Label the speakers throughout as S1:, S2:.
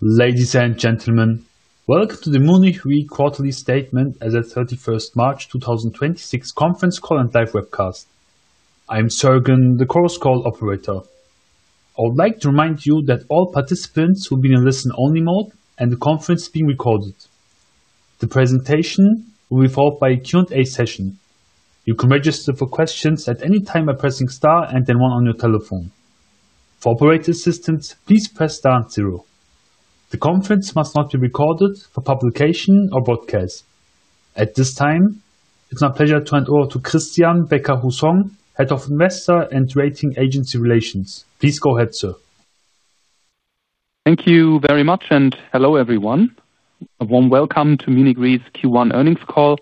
S1: Ladies and gentlemen, welcome to the Munich Re quarterly statement as at 31st March 2026 conference call and live webcast. I'm Sergen, the conference call operator. I would like to remind you that all participants will be in listen-only mode and the conference is being recorded. The presentation will be followed by a Q&A session. You can register for questions at any time by pressing star and then one on your telephone. For operator assistance, please press star and zero. The conference must not be recorded for publication or broadcast. At this time, it's my pleasure to hand over to Christian Becker-Hussong, Head of Investor and Rating Agency Relations. Please go ahead, sir.
S2: Thank you very much, and hello, everyone. A warm welcome to Munich Re's Q1 earnings call.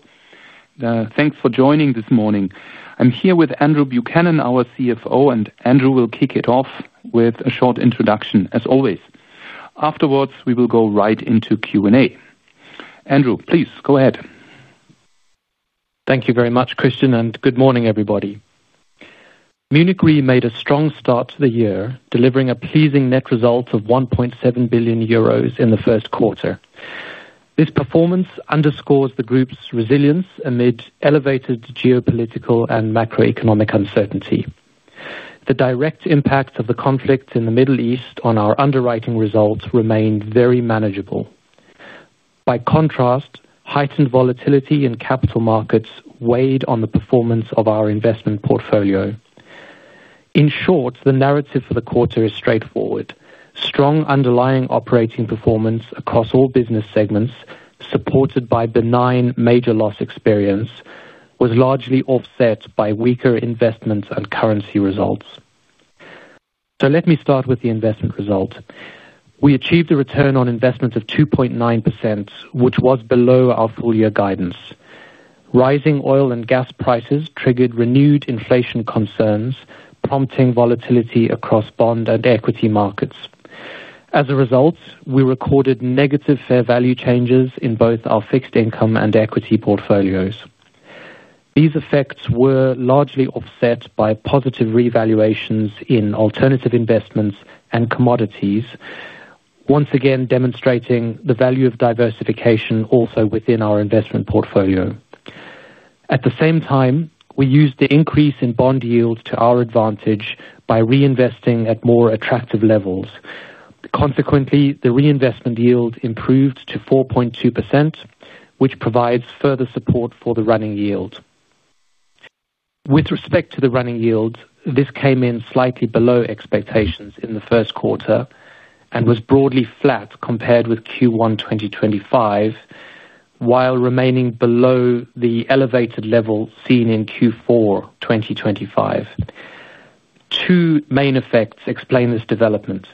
S2: Thanks for joining this morning. I'm here with Andrew Buchanan, our Chief Financial Officer, and Andrew will kick it off with a short introduction as always. Afterwards, we will go right into Q&A. Andrew, please go ahead.
S3: Thank you very much, Christian, and good morning, everybody. Munich Re made a strong start to the year, delivering a pleasing net result of 1.7 billion euros in the first quarter. This performance underscores the group's resilience amid elevated geopolitical and macroeconomic uncertainty. The direct impact of the conflict in the Middle East on our underwriting results remained very manageable. By contrast, heightened volatility in capital markets weighed on the performance of our investment portfolio. In short, the narrative for the quarter is straightforward. Strong underlying operating performance across all business segments, supported by benign major loss experience, was largely offset by weaker investments and currency results. Let me start with the investment result. We achieved a return on investment of 2.9%, which was below our full year guidance. Rising oil and gas prices triggered renewed inflation concerns, prompting volatility across bond and equity markets. As a result, we recorded negative fair value changes in both our fixed income and equity portfolios. These effects were largely offset by positive revaluations in alternative investments and commodities, once again demonstrating the value of diversification also within our investment portfolio. At the same time, we used the increase in bond yields to our advantage by reinvesting at more attractive levels. Consequently, the reinvestment yield improved to 4.2%, which provides further support for the running yield. With respect to the running yield, this came in slightly below expectations in the first quarter and was broadly flat compared with Q1 2025, while remaining below the elevated level seen in Q4 2025. Two main effects explain this development.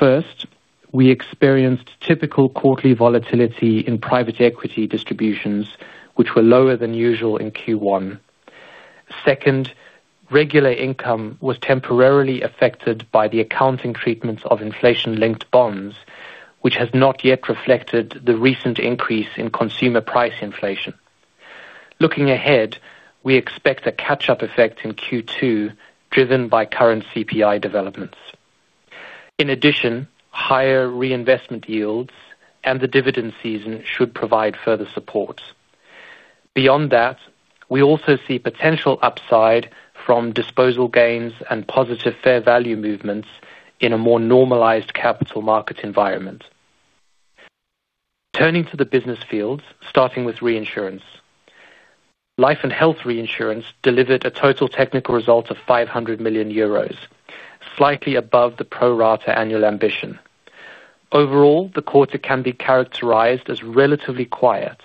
S3: First, we experienced typical quarterly volatility in private equity distributions, which were lower than usual in Q1. Second, regular income was temporarily affected by the accounting treatment of inflation-linked bonds, which has not yet reflected the recent increase in consumer price inflation. Looking ahead, we expect a catch-up effect in Q2, driven by current CPI developments. In addition, higher reinvestment yields and the dividend season should provide further support. Beyond that, we also see potential upside from disposal gains and positive fair value movements in a more normalized capital market environment. Turning to the business fields, starting with reinsurance. Life & Health Reinsurance delivered a total technical result of 500 million euros, slightly above the pro rata annual ambition. Overall, the quarter can be characterized as relatively quiet.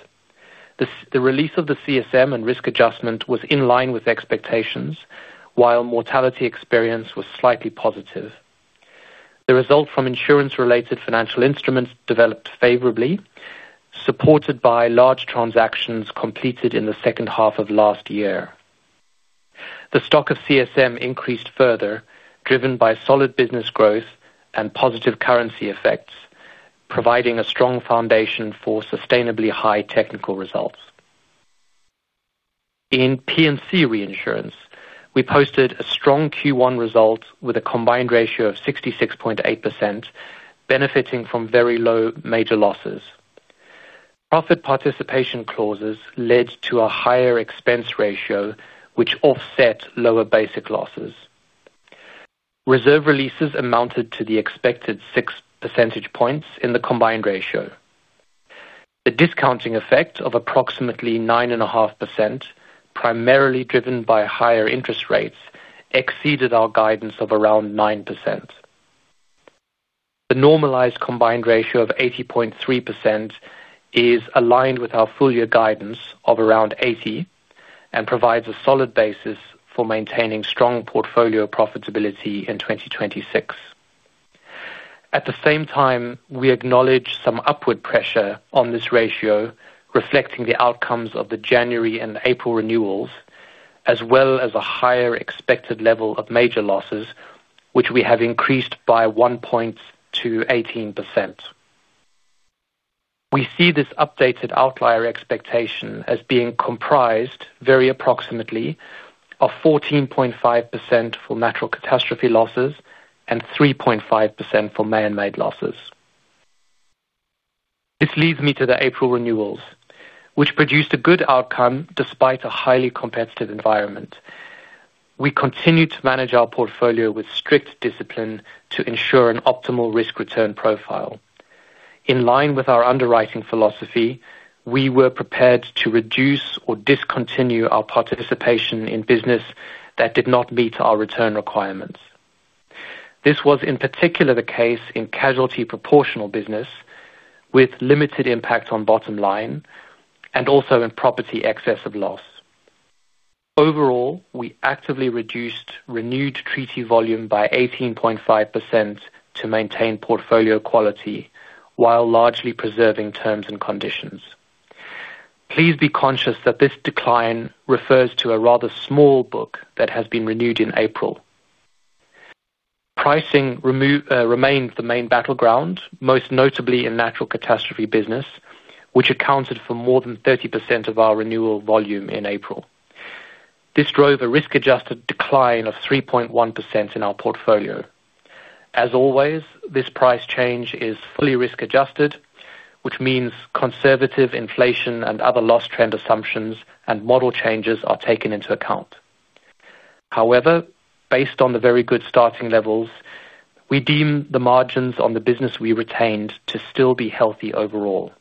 S3: The release of the CSM and risk adjustment was in line with expectations, while mortality experience was slightly positive. The result from insurance-related financial instruments developed favorably, supported by large transactions completed in the second half of last year. The stock of CSM increased further, driven by solid business growth and positive currency effects, providing a strong foundation for sustainably high technical results. In P&C reinsurance, we posted a strong Q1 result with a combined ratio of 66.8%, benefiting from very low major losses. Profit participation clauses led to a higher expense ratio, which offset lower basic losses. Reserve releases amounted to the expected 6 percentage points in the combined ratio. The discounting effect of approximately 9.5%, primarily driven by higher interest rates, exceeded our guidance of around 9%. The normalized combined ratio of 80.3% is aligned with our full year guidance of around 80 and provides a solid basis for maintaining strong portfolio profitability in 2026. At the same time, we acknowledge some upward pressure on this ratio, reflecting the outcomes of the January and April renewals, as well as a higher expected level of major losses, which we have increased by 1 point to 18%. We see this updated outlier expectation as being comprised very approximately of 14.5% for natural catastrophe losses and 3.5% for man-made losses. This leads me to the April renewals, which produced a good outcome despite a highly competitive environment. We continue to manage our portfolio with strict discipline to ensure an optimal risk return profile. In line with our underwriting philosophy, we were prepared to reduce or discontinue our participation in business that did not meet our return requirements. This was in particular the case in casualty proportional business with limited impact on bottom line and also in property excess of loss. Overall, we actively reduced renewed treaty volume by 18.5% to maintain portfolio quality while largely preserving terms and conditions. Please be conscious that this decline refers to a rather small book that has been renewed in April. Pricing remains the main battleground, most notably in natural catastrophe business, which accounted for more than 30% of our renewal volume in April. This drove a risk-adjusted decline of 3.1% in our portfolio. As always, this price change is fully risk adjusted, which means conservative inflation and other loss trend assumptions and model changes are taken into account. However, based on the very good starting levels, we deem the margins on the business we retained to still be healthy overall.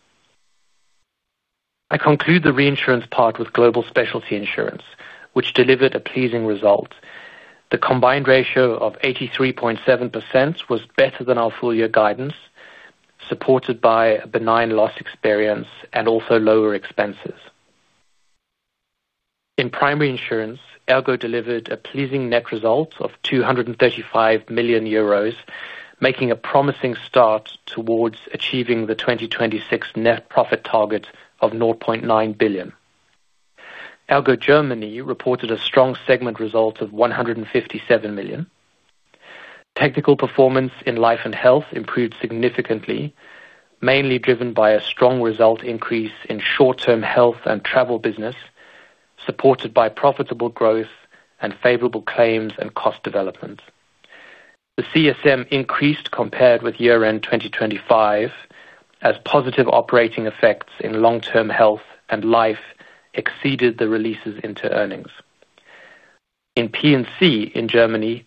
S3: I conclude the reinsurance part with Global Specialty Insurance, which delivered a pleasing result. The combined ratio of 83.7% was better than our full year guidance, supported by a benign loss experience and also lower expenses. In primary insurance, ERGO delivered a pleasing net result of 235 million euros, making a promising start towards achieving the 2026 net profit target of 0.9 billion. ERGO Germany reported a strong segment result of 157 million. Technical performance in life and health improved significantly, mainly driven by a strong result increase in short-term health and travel business, supported by profitable growth and favorable claims and cost development. The CSM increased compared with year-end 2025 as positive operating effects in long-term health and life exceeded the releases into earnings. In P&C in Germany,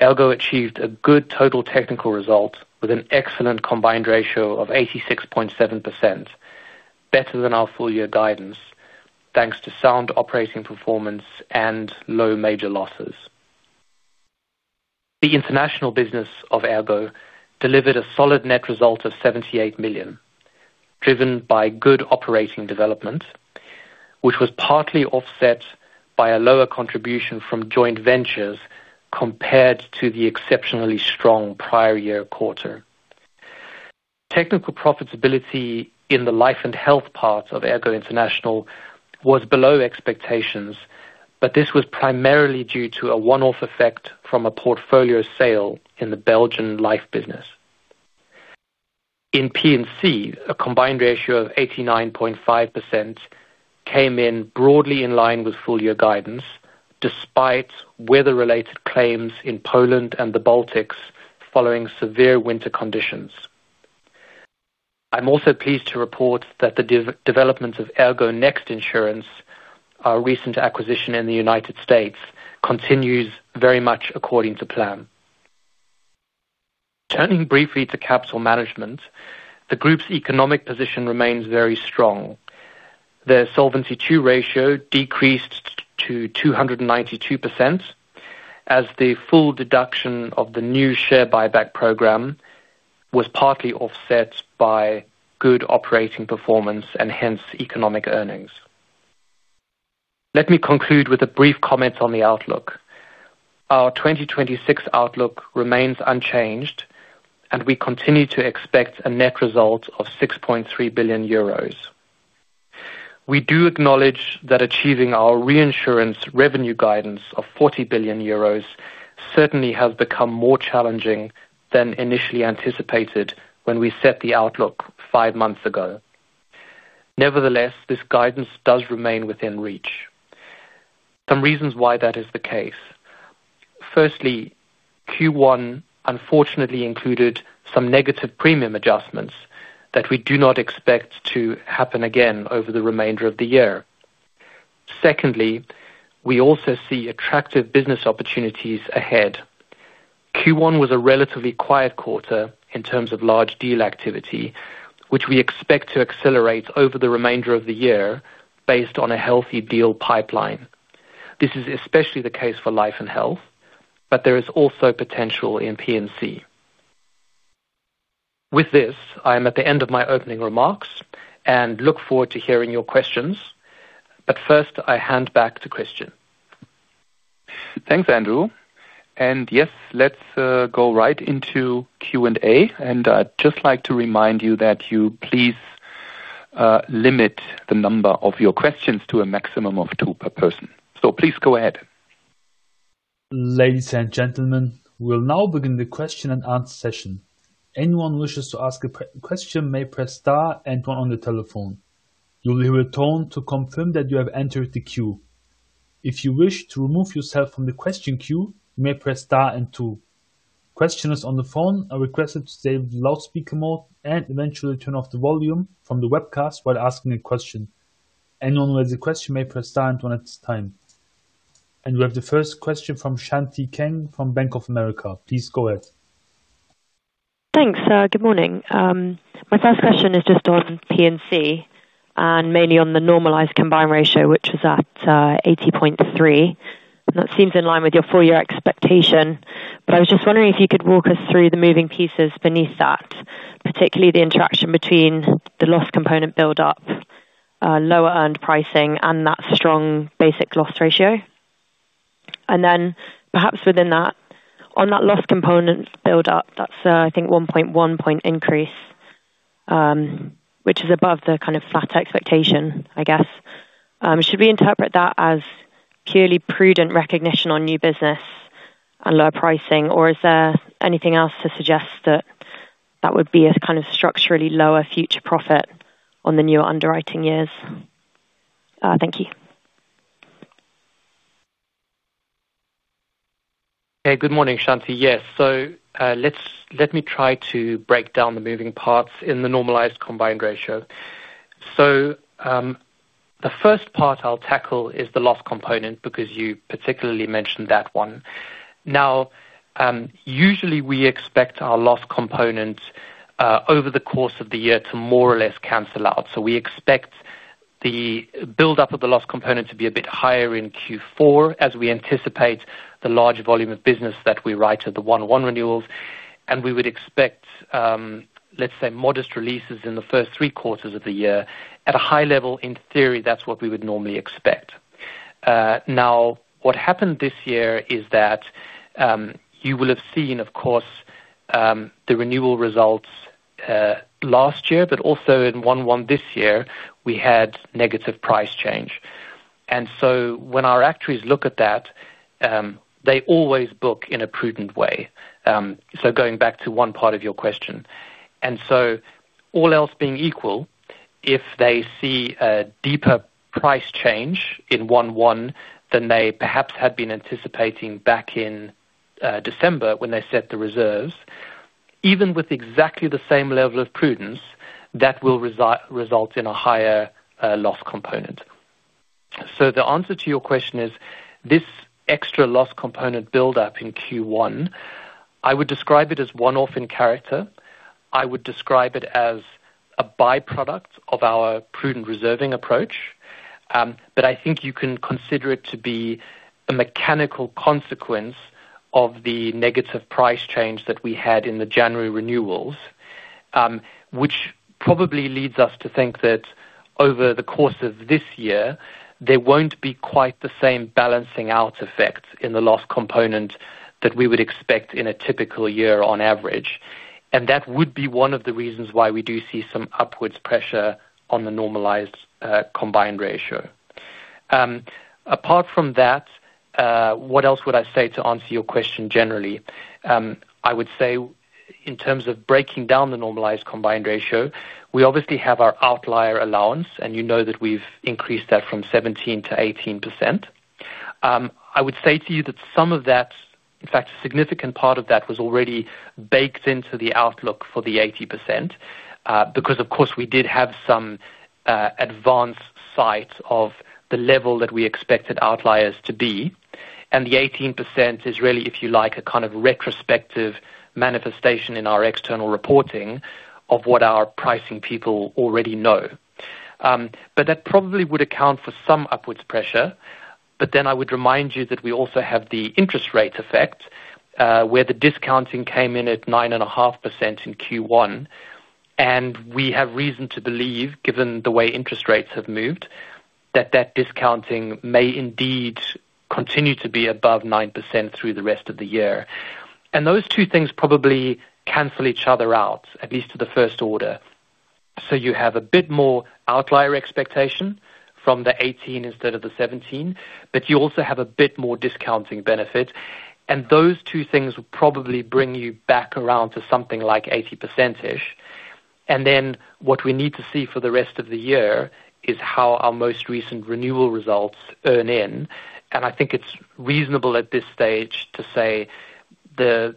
S3: ERGO achieved a good total technical result with an excellent combined ratio of 86.7%, better than our full year guidance, thanks to sound operating performance and low major losses. The international business of ERGO delivered a solid net result of 78 million, driven by good operating development, which was partly offset by a lower contribution from joint ventures compared to the exceptionally strong prior year quarter. Technical profitability in the Life & Health part of ERGO International was below expectations, but this was primarily due to a one-off effect from a portfolio sale in the Belgian life business. In P&C, a combined ratio of 89.5% came in broadly in line with full year guidance, despite weather-related claims in Poland and the Baltics following severe winter conditions. I'm also pleased to report that the development of ERGO Next Insurance, our recent acquisition in the U.S., continues very much according to plan. Turning briefly to capital management, the group's economic position remains very strong. The Solvency II ratio decreased to 292% as the full deduction of the new share buyback program was partly offset by good operating performance and hence economic earnings. Let me conclude with a brief comment on the outlook. Our 2026 outlook remains unchanged. We continue to expect a net result of 6.3 billion euros. We do acknowledge that achieving our reinsurance revenue guidance of 40 billion euros certainly has become more challenging than initially anticipated when we set the outlook five months ago. Nevertheless, this guidance does remain within reach. Some reasons why that is the case. Firstly, Q1 unfortunately included some negative premium adjustments that we do not expect to happen again over the remainder of the year. We also see attractive business opportunities ahead. Q1 was a relatively quiet quarter in terms of large deal activity, which we expect to accelerate over the remainder of the year based on a healthy deal pipeline. This is especially the case for life and health, but there is also potential in P&C. With this, I am at the end of my opening remarks and look forward to hearing your questions. First, I hand back to Christian.
S2: Thanks, Andrew. Yes, let's go right into Q&A. I'd just like to remind you that you please limit the number of your questions to a maximum of two per person. Please go ahead.
S1: Ladies and gentlemen, we'll now begin the question and answer session. Anyone who wishes to ask a question may press star one on the telephone. You'll hear a tone to confirm that you have entered the queue. If you wish to remove yourself from the question queue, you may press star and two. Questioners on the phone are requested to stay in the loudspeaker mode and eventually turn off the volume from the webcast while asking a question. Anyone with a question may press star one at this time. We have the first question from Shanti Kang from Bank of America. Please go ahead.
S4: Thanks, good morning. My first question is just on P&C and mainly on the normalized combined ratio, which was at 80.3. That seems in line with your full year expectation. I was just wondering if you could walk us through the moving pieces beneath that, particularly the interaction between the loss component build-up, lower earned pricing and that strong basic loss ratio. Perhaps within that, on that loss component build-up, that's I think 1.1 percentage point increase, which is above the kind of flat expectation, I guess. Should we interpret that as purely prudent recognition on new business and lower pricing or is there anything else to suggest that that would be a kind of structurally lower future profit on the newer underwriting years? Thank you.
S3: Good morning, Shanti. Yes. Let me try to break down the moving parts in the normalized combined ratio. The first part I'll tackle is the loss component, because you particularly mentioned that one. Now, usually we expect our loss component over the course of the year to more or less cancel out. We expect the build-up of the loss component to be a bit higher in Q4 as we anticipate the large volume of business that we write at the 1/1 renewals. We would expect, let's say, modest releases in the first three quarters of the year. At a high level, in theory, that's what we would normally expect. Now, what happened this year is that you will have seen, of course, the renewal results last year, but also in 1/1 this year, we had negative price change. When our actuaries look at that, they always book in a prudent way. Going back to one part of your question. All else being equal, if they see a deeper price change in 1/1 than they perhaps had been anticipating back in December when they set the reserves, even with exactly the same level of prudence, that will result in a higher, loss component. The answer to your question is this extra loss component build-up in Q1, I would describe it as one-off in character. I would describe it as a by-product of our prudent reserving approach. I think you can consider it to be a mechanical consequence of the negative price change that we had in the January renewals, which probably leads us to think that over the course of this year, there won't be quite the same balancing out effect in the loss component that we would expect in a typical year on average. That would be one of the reasons why we do see some upwards pressure on the normalized combined ratio. Apart from that, what else would I say to answer your question generally? I would say in terms of breaking down the normalized combined ratio, we obviously have our outlier allowance, and you know that we've increased that from 17%-18%. I would say to you that some of that, in fact, a significant part of that was already baked into the outlook for the 80%, because of course, we did have some advanced sight of the level that we expected outliers to be. The 18% is really, if you like, a kind of retrospective manifestation in our external reporting of what our pricing people already know. That probably would account for some upwards pressure. I would remind you that we also have the interest rate effect, where the discounting came in at 9.5% in Q1. We have reason to believe, given the way interest rates have moved, that that discounting may indeed continue to be above 9% through the rest of the year. Those two things probably cancel each other out, at least to the first order. You have a bit more outlier expectation from the 18% instead of the 17%, but you also have a bit more discounting benefit. Those two things will probably bring you back around to something like 80%-ish. What we need to see for the rest of the year is how our most recent renewal results earn in. I think it's reasonable at this stage to say the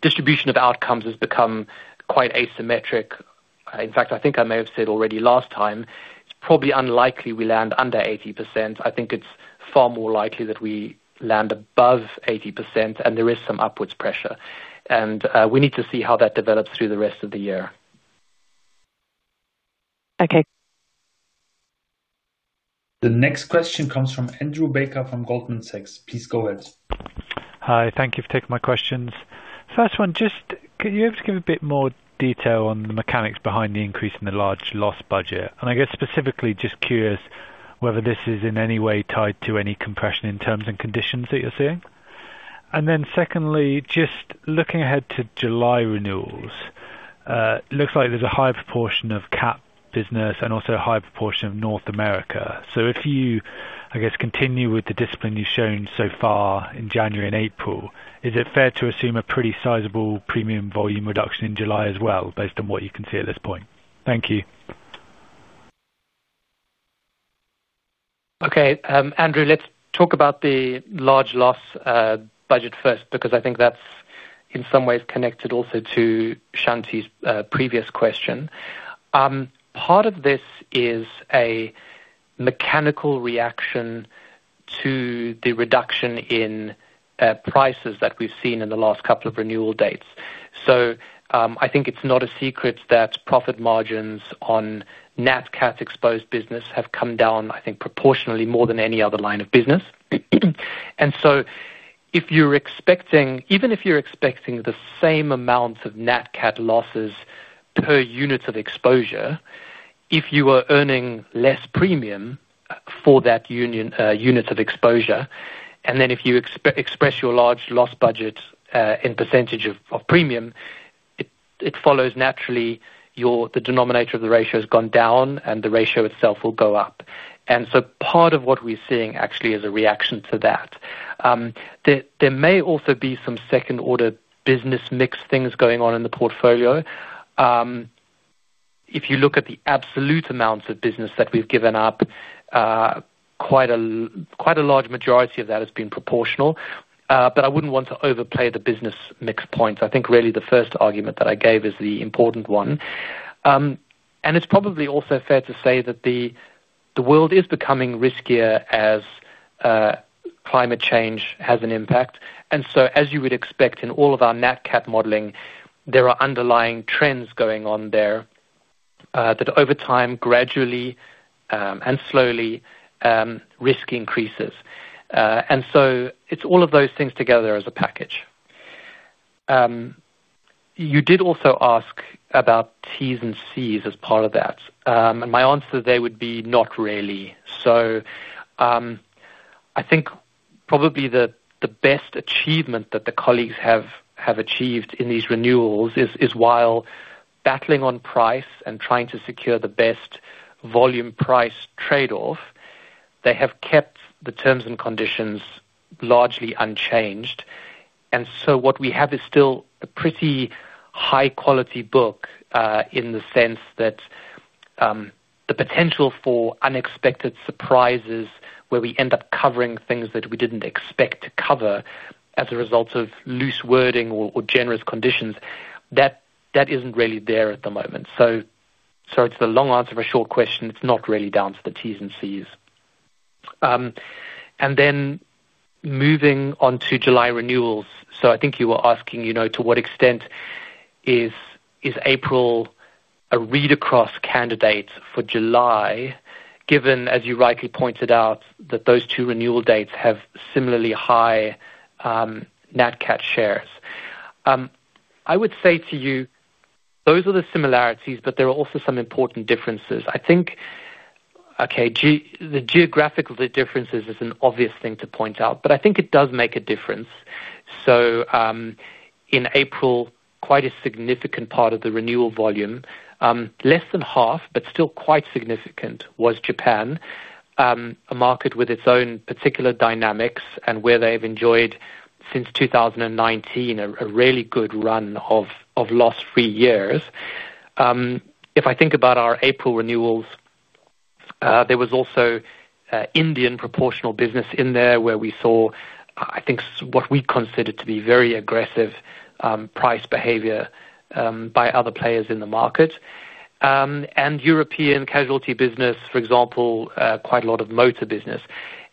S3: distribution of outcomes has become quite asymmetric. In fact, I think I may have said already last time, it's probably unlikely we land under 80%. I think it's far more likely that we land above 80% and there is some upwards pressure. We need to see how that develops through the rest of the year.
S4: Okay.
S1: The next question comes from Andrew Baker from Goldman Sachs. Please go ahead.
S5: Hi. Thank you for taking my questions. First one, could you able to give a bit more detail on the mechanics behind the increase in the large loss budget? I guess specifically just curious whether this is in any way tied to any compression in terms and conditions that you're seeing. Secondly, just looking ahead to July renewals. Looks like there's a high proportion of cat business and also a high proportion of North America. If you, I guess, continue with the discipline you've shown so far in January and April, is it fair to assume a pretty sizable premium volume reduction in July as well, based on what you can see at this point? Thank you.
S3: Okay. Andrew, let's talk about the large loss budget first because I think that's in some ways connected also to Shanti's previous question. Part of this is a mechanical reaction to the reduction in prices that we've seen in the last couple of renewal dates. I think it's not a secret that profit margins on Nat Cat exposed business have come down, I think, proportionally more than any other line of business. If you're expecting even if you're expecting the same amount of Nat Cat losses per unit of exposure, if you are earning less premium for that unit of exposure, and then if you express your large loss budget in percentage of premium, it follows naturally the denominator of the ratio has gone down and the ratio itself will go up. Part of what we're seeing actually is a reaction to that. There may also be some second order business mix things going on in the portfolio. If you look at the absolute amounts of business that we've given up, quite a large majority of that has been proportional, but I wouldn't want to overplay the business mix point. I think really the first argument that I gave is the important one. It's probably also fair to say that the world is becoming riskier as climate change has an impact. As you would expect in all of our Nat Cat modeling, there are underlying trends going on there that over time, gradually and slowly, risk increases. It's all of those things together as a package. You did also ask about T's and C's as part of that, my answer there would be not really. I think probably the best achievement that the colleagues have achieved in these renewals is while battling on price and trying to secure the best volume price trade-off, they have kept the terms and conditions largely unchanged. What we have is still a pretty high quality book in the sense that the potential for unexpected surprises where we end up covering things that we didn't expect to cover as a result of loose wording or generous conditions, that isn't really there at the moment. It's the long answer of a short question. It's not really down to the T's and C's. Moving on to July renewals. I think you were asking, you know, to what extent is April a read across candidate for July, given, as you rightly pointed out, that those two renewal dates have similarly high Nat Cat shares. I would say to you those are the similarities, there are also some important differences. I think, okay, the geographical differences is an obvious thing to point out, but I think it does make a difference. In April, quite a significant part of the renewal volume, less than half, but still quite significant was Japan, a market with its own particular dynamics and where they've enjoyed since 2019, a really good run of loss-free years. If I think about our April renewals, there was also Indian proportional business in there where we saw, I think, what we considered to be very aggressive price behavior by other players in the market. European casualty business, for example, quite a lot of motor business.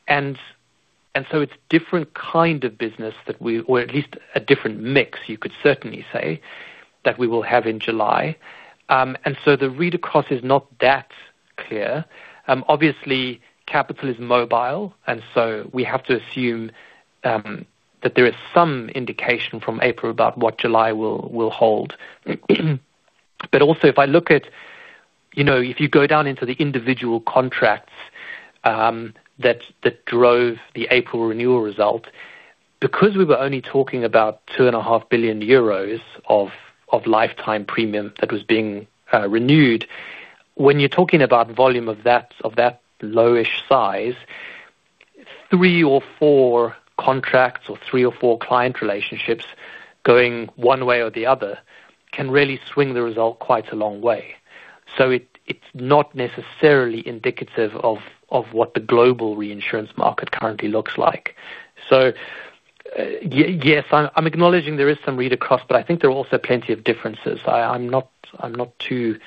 S3: It's different kind of business that we or at least a different mix you could certainly say, that we will have in July. The read across is not that clear. Obviously capital is mobile, so we have to assume that there is some indication from April about what July will hold. Also if I look at, you know, if you go down into the individual contracts that drove the April renewal result. We were only talking about 2.5 billion euros of lifetime premium that was being renewed. When you're talking about volume of that, of that low-ish size, three or four contracts or three or four client relationships going one way or the other can really swing the result quite a long way. It's not necessarily indicative of what the global reinsurance market currently looks like. Yes, I'm acknowledging there is some read across, but I think there are also plenty of differences. I'm not too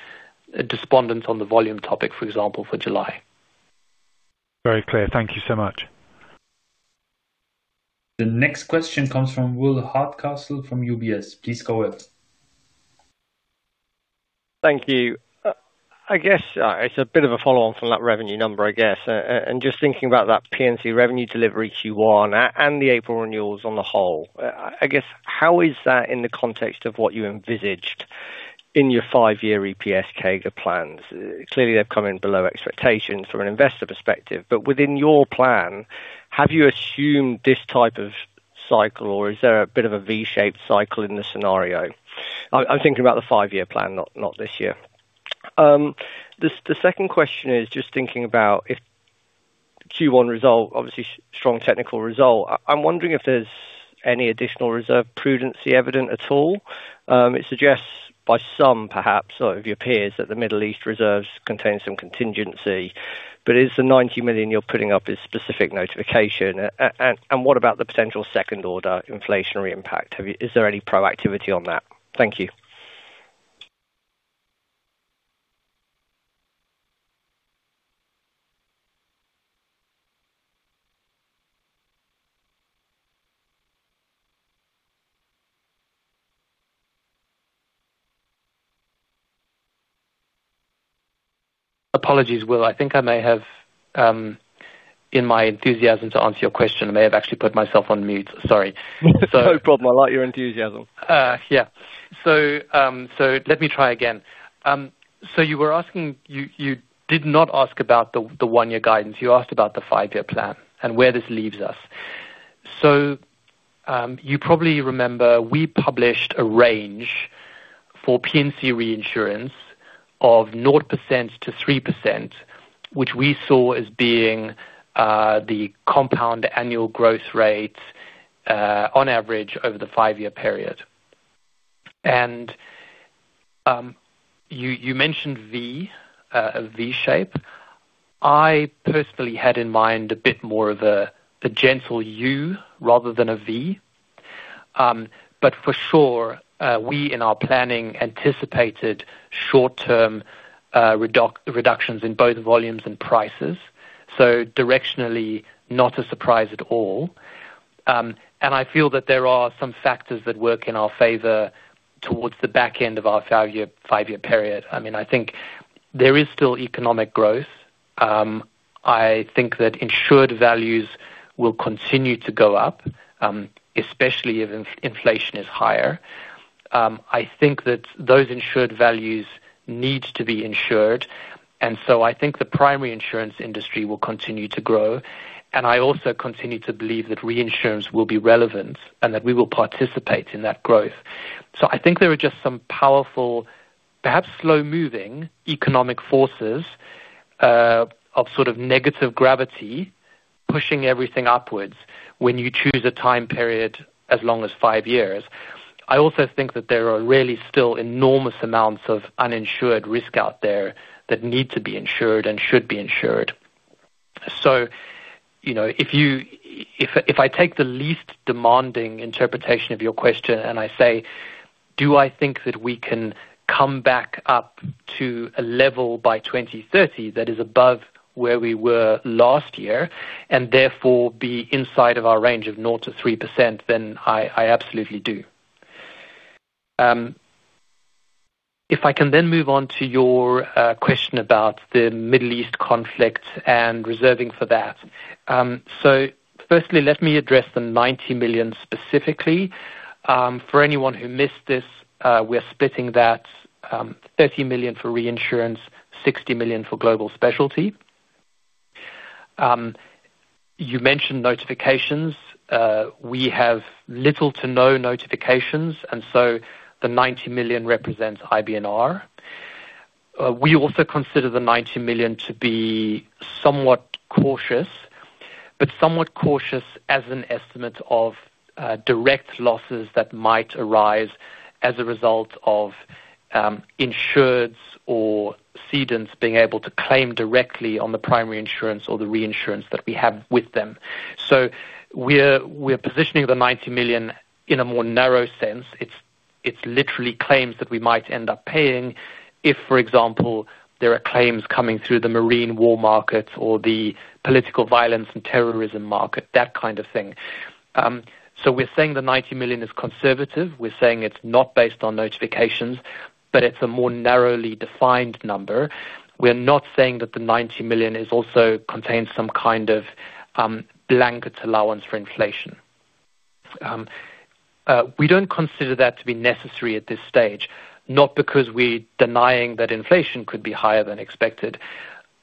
S3: despondent on the volume topic, for example, for July.
S5: Very clear. Thank you so much.
S1: The next question comes from Will Hardcastle from UBS. Please go ahead.
S6: Thank you. I guess it's a bit of a follow on from that revenue number, I guess. Just thinking about that P&C revenue delivery Q1 and the April renewals on the whole. I guess, how is that in the context of what you envisaged in your five-year EPS CAGR plans? Clearly, they've come in below expectations from an investor perspective. Within your plan, have you assumed this type of cycle or is there a bit of a V-shaped cycle in the scenario? I'm thinking about the five-year plan, not this year. The second question is just thinking about if Q1 result, obviously strong technical result. I'm wondering if there's any additional reserve prudency evident at all. It suggests by some perhaps or of your peers that the Middle East reserves contain some contingency. Is the 90 million you're putting up specific notification? What about the potential second order inflationary impact? Is there any proactivity on that? Thank you.
S3: Apologies, Will. I think I may have, in my enthusiasm to answer your question, I may have actually put myself on mute. Sorry.
S6: No problem. I like your enthusiasm.
S3: Yeah. Let me try again. You were asking, you did not ask about the one-year guidance, you asked about the five-year plan and where this leaves us. You probably remember we published a range for P&C Reinsurance of 0%-3%, which we saw as being the compound annual growth rate on average over the five-year period. You mentioned V, a V-shape. I personally had in mind a bit more of a gentle U rather than a V. For sure, we in our planning anticipated short-term reductions in both volumes and prices. Directionally, not a surprise at all. I feel that there are some factors that work in our favor towards the back end of our five-year period. I mean, I think there is still economic growth. I think that insured values will continue to go up, especially if inflation is higher. I think that those insured values need to be insured, I think the primary insurance industry will continue to grow. I also continue to believe that reinsurance will be relevant and that we will participate in that growth. I think there are just some powerful, perhaps slow-moving economic forces, of sort of negative gravity pushing everything upwards when you choose a time period as long as five-years. I also think that there are really still enormous amounts of uninsured risk out there that need to be insured and should be insured. You know, if I take the least demanding interpretation of your question and I say, "Do I think that we can come back up to a level by 2030 that is above where we were last year and therefore be inside of our range of 0%-3%?" Then I absolutely do. If I can move on to your question about the Middle East conflict and reserving for that. Firstly, let me address the 90 million specifically. For anyone who missed this, we're splitting that, 30 million for Reinsurance, 60 million for Global Specialty. You mentioned notifications. We have little to no notifications, the 90 million represents IBNR. We also consider the 90 million to be somewhat cautious, but somewhat cautious as an estimate of direct losses that might arise as a result of insureds or cedents being able to claim directly on the primary insurance or the reinsurance that we have with them. We're positioning the 90 million in a more narrow sense. It's literally claims that we might end up paying if, for example, there are claims coming through the marine war market or the political violence and terrorism market, that kind of thing. We're saying the 90 million is conservative. We're saying it's not based on notifications, but it's a more narrowly defined number. We're not saying that the 90 million is also contains some kind of blanket allowance for inflation. We don't consider that to be necessary at this stage, not because we're denying that inflation could be higher than expected.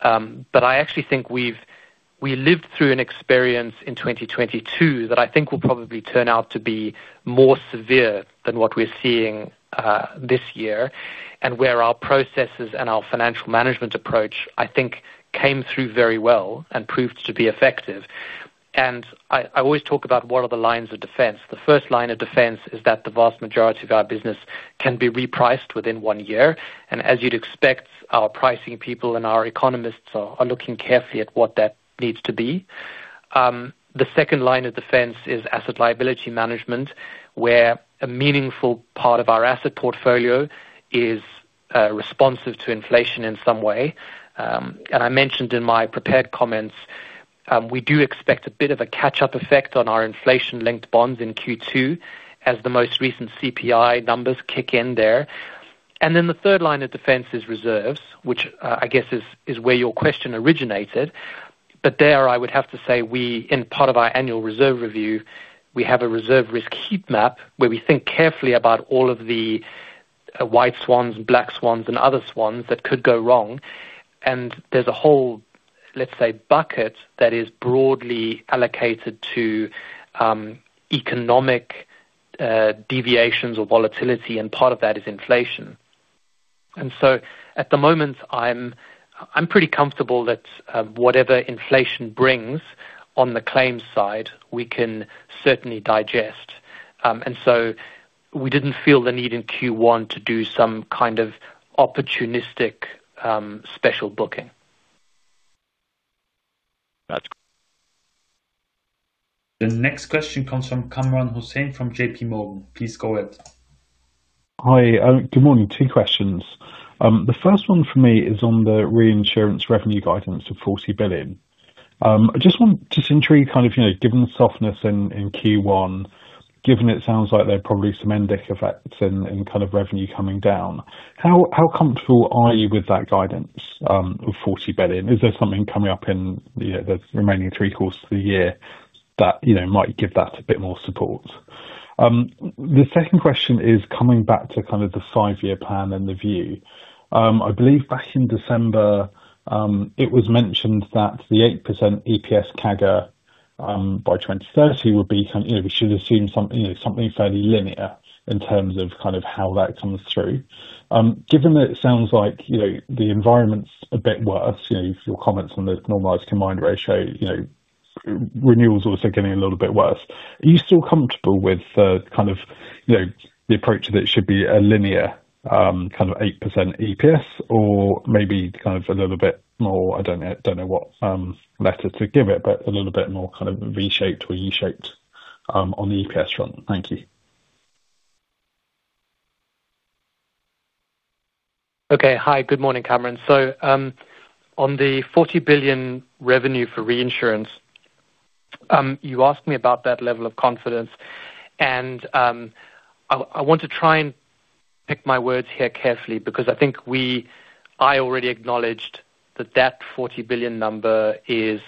S3: I actually think we lived through an experience in 2022 that I think will probably turn out to be more severe than what we're seeing this year, and where our processes and our financial management approach, I think came through very well and proved to be effective. I always talk about what are the lines of defense. The first line of defense is that the vast majority of our business can be repriced within one-year. As you'd expect, our pricing people and our economists are looking carefully at what that needs to be. The second line of defense is asset liability management, where a meaningful part of our asset portfolio is responsive to inflation in some way. I mentioned in my prepared comments, we do expect a bit of a catch-up effect on our inflation-linked bonds in Q2 as the most recent CPI numbers kick in there. The third line of defense is reserves, which I guess is where your question originated. There I would have to say we, in part of our annual reserve review, we have a reserve risk heat map where we think carefully about all of the white swans, black swans, and other swans that could go wrong. There's a whole, let's say, bucket that is broadly allocated to economic deviations or volatility, and part of that is inflation. At the moment I'm pretty comfortable that whatever inflation brings on the claims side, we can certainly digest. We didn't feel the need in Q1 to do some kind of opportunistic special booking.
S6: Thanks
S1: The next question comes from Kamran Hossain from JPMorgan. Please go ahead.
S7: Hi, good morning two questions. The first one for me is on the reinsurance revenue guidance of 40 billion. I am just intrigued, kind of, you know, given the softness in Q1, given it sounds like there are probably some endemic effects in kind of revenue coming down, how comfortable are you with that guidance of 40 billion? Is there something coming up in, you know, the remaining three quarters of the year that, you know, might give that a bit more support? The second question is coming back to kind of the five-year plan and the view. I believe back in December, it was mentioned that the 8% EPS CAGR by 2030 would be some, you know, we should assume some, you know, something fairly linear in terms of kind of how that comes through. Given that it sounds like, you know, the environment's a bit worse, you know, your comments on the normalized combined ratio, you know, renewals also getting a little bit worse, are you still comfortable with the kind of, you know, the approach that it should be a linear, kind of 8% EPS or maybe kind of a little bit more, I don't know what letter to give it, but a little bit more kind of V-shaped or U-shaped, on the EPS front? Thank you.
S3: Okay. Hi, good morning, Kamran. On the 40 billion revenue for reinsurance, you asked me about that level of confidence, and I want to try and pick my words here carefully because I think I already acknowledged that 40 billion number is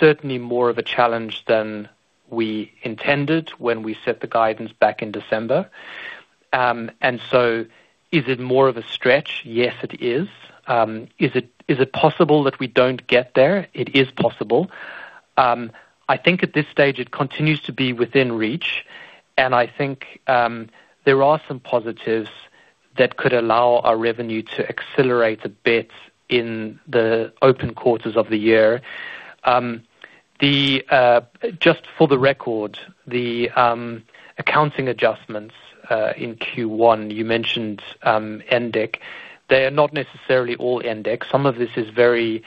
S3: certainly more of a challenge than we intended when we set the guidance back in December. Is it more of a stretch? Yes, it is. Is it possible that we don't get there? It is possible. I think at this stage it continues to be within reach, and I think there are some positives that could allow our revenue to accelerate a bit in the open quarters of the year. Just for the record, the accounting adjustments in Q1, you mentioned ENIC. They are not necessarily all ENIC. Some of this is very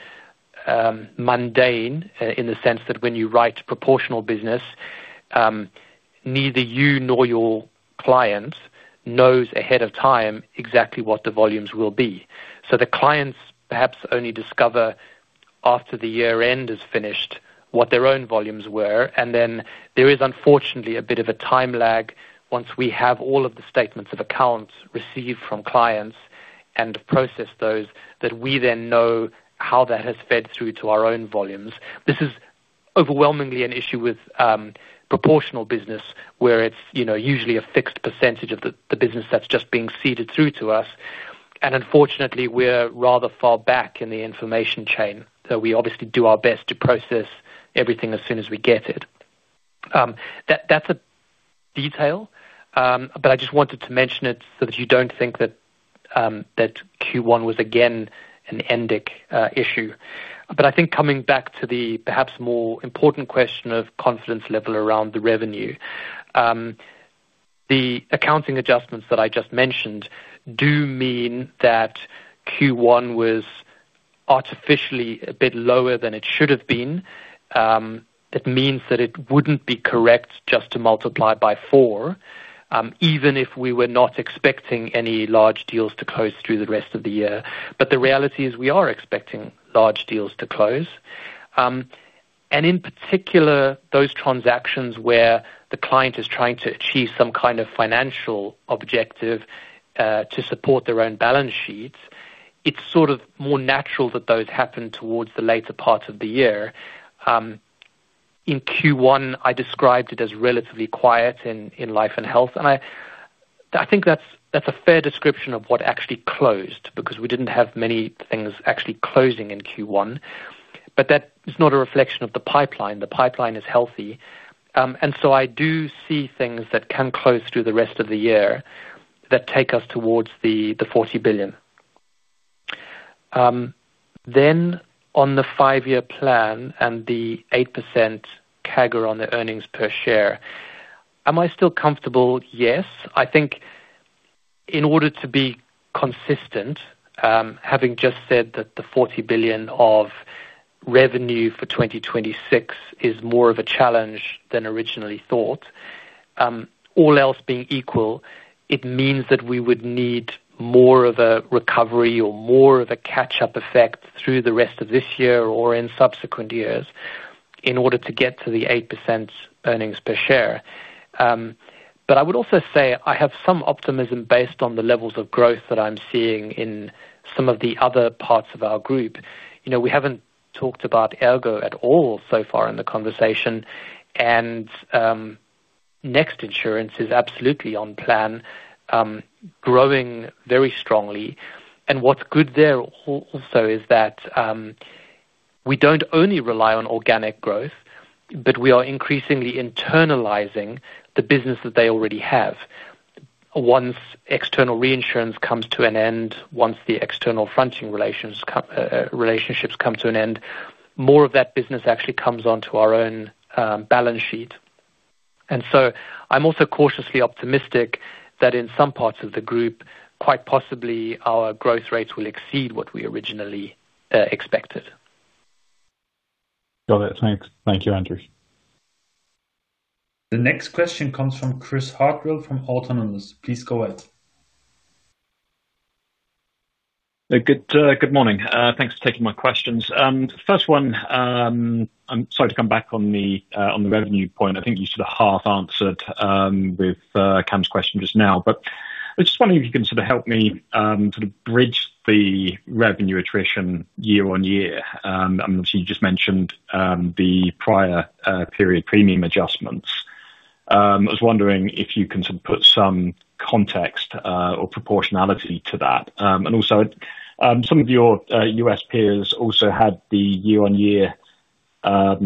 S3: mundane in the sense that when you write proportional business, neither you nor your client knows ahead of time exactly what the volumes will be. The clients perhaps only discover after the year-end is finished what their own volumes were. Then there is unfortunately a bit of a time lag once we have all of the statements of accounts received from clients and process those that we then know how that has fed through to our own volumes. This is overwhelmingly an issue with proportional business, where it's, you know, usually a fixed percentage of the business that's just being seeded through to us. Unfortunately, we're rather far back in the information chain, though we obviously do our best to process everything as soon as we get it. That's a detail, but I just wanted to mention it so that you don't think that Q1 was again an ENIC issue. I think coming back to the perhaps more important question of confidence level around the revenue, the accounting adjustments that I just mentioned do mean that Q1 was artificially a bit lower than it should have been. It means that it wouldn't be correct just to multiply by four, even if we were not expecting any large deals to close through the rest of the year. The reality is we are expecting large deals to close. In particular, those transactions where the client is trying to achieve some kind of financial objective, to support their own balance sheets, it's sort of more natural that those happen towards the later part of the year. In Q1 I described it as relatively quiet in life and health, and I think that's a fair description of what actually closed because we didn't have many things actually closing in Q1. That is not a reflection of the pipeline. The pipeline is healthy. I do see things that can close through the rest of the year that take us towards the 40 billion. On the five-year plan and the 8% CAGR on the earnings per share, am I still comfortable? Yes. I think in order to be consistent, having just said that the 40 billion of revenue for 2026 is more of a challenge than originally thought, all else being equal, it means that we would need more of a recovery or more of a catch-up effect through the rest of this year or in subsequent years in order to get to the 8% earnings per share. I would also say I have some optimism based on the levels of growth that I'm seeing in some of the other parts of our group. You know, we haven't talked about ERGO at all so far in the conversation, and next insurance is absolutely on plan, growing very strongly. What's good there also is that we don't only rely on organic growth, but we are increasingly internalizing the business that they already have. Once external reinsurance comes to an end, once the external fronting relationships come to an end, more of that business actually comes onto our own balance sheet. I'm also cautiously optimistic that in some parts of the group, quite possibly our growth rates will exceed what we originally expected.
S7: Got it. Thanks. Thank you, Andrew.
S1: The next question comes from Chris Hartwell from Autonomous. Please go ahead.
S8: Good morning. Thanks for taking my questions. First one, I'm sorry to come back on the revenue point. I think you sort of half answered with Cam's question just now. I was just wondering if you can sort of help me sort of bridge the revenue attrition year-on-year. Obviously, you just mentioned the prior period premium adjustments. I was wondering if you can sort of put some context or proportionality to that. Also, some of your U.S. peers also had the year-on-year sort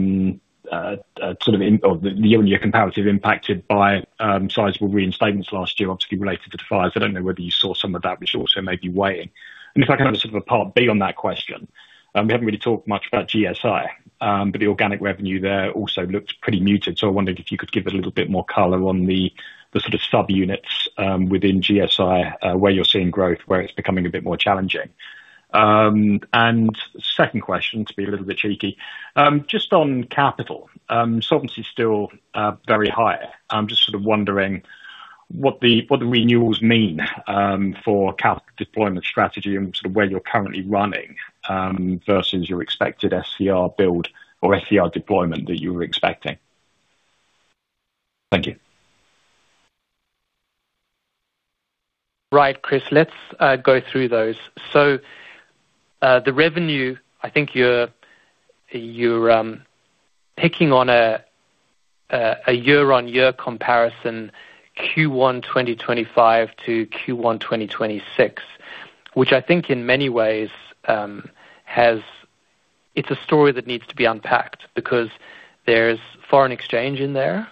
S8: of in or the year-on-year comparative impacted by sizable reinstatements last year, obviously related to the fires. I don't know whether you saw some of that, which also may be weighing. If I can have a sort of a part B on that question. We haven't really talked much about GSI, but the organic revenue there also looks pretty muted. I wondered if you could give a little bit more color on the sort of subunits within GSI, where you're seeing growth, where it's becoming a bit more challenging. Second question, to be a little bit cheeky, just on capital. Solvency is still very high. I'm just sort of wondering what the, what the renewals mean for cap deployment strategy and sort of where you're currently running versus your expected SCR build or SCR deployment that you were expecting. Thank you.
S3: Chris, let's go through those. The revenue, I think you're picking on a year-on-year comparison, Q1 2025 to Q1 2026, which I think in many ways, it's a story that needs to be unpacked because there's foreign exchange in there.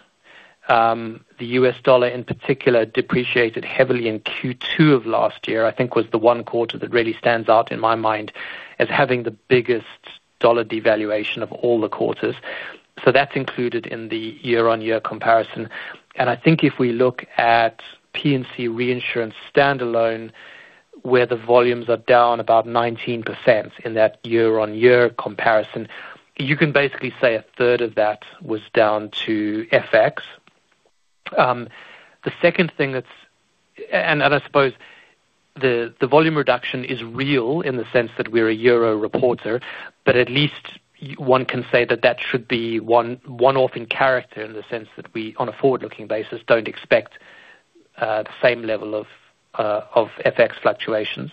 S3: The U.S. dollar in particular depreciated heavily in Q2 of last year. I think was the one quarter that really stands out in my mind as having the biggest dollar devaluation of all the quarters. That's included in the year-on-year comparison. I think if we look at P&C reinsurance standalone, where the volumes are down about 19% in that year-on-year comparison, you can basically say a third of that was down to FX. The second thing that's, I suppose the volume reduction is real in the sense that we're a euro reporter, but at least one can say that that should be one-off in character in the sense that we, on a forward-looking basis, don't expect the same level of FX fluctuations.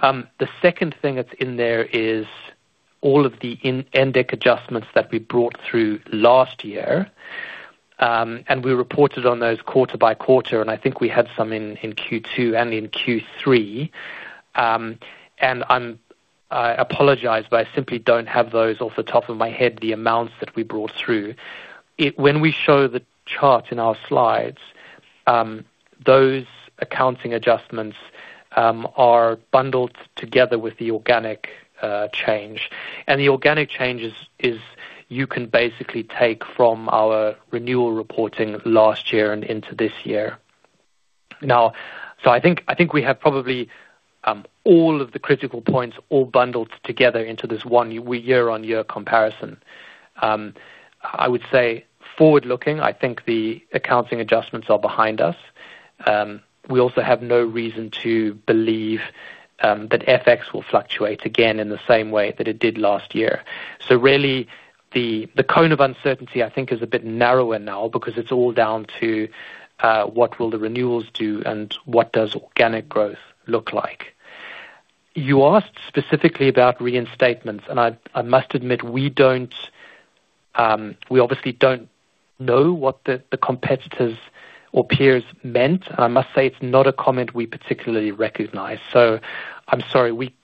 S3: The second thing that's in there is all of the ENIC adjustments that we brought through last year. We reported on those quarter by quarter, and I think we had some in Q2 and in Q3. I apologize, but I simply don't have those off the top of my head, the amounts that we brought through. When we show the chart in our slides, those accounting adjustments are bundled together with the organic change. The organic change is you can basically take from our renewal reporting last year and into this year. Now, I think we have probably all of the critical points all bundled together into this one year-on-year comparison. I would say forward-looking, I think the accounting adjustments are behind us. We also have no reason to believe that FX will fluctuate again in the same way that it did last year. Really, the cone of uncertainty, I think, is a bit narrower now because it's all down to what will the renewals do and what does organic growth look like. You asked specifically about reinstatements, I must admit, we don't, we obviously don't know what the competitors or peers meant. I must say it's not a comment we particularly recognize. I'm sorry, we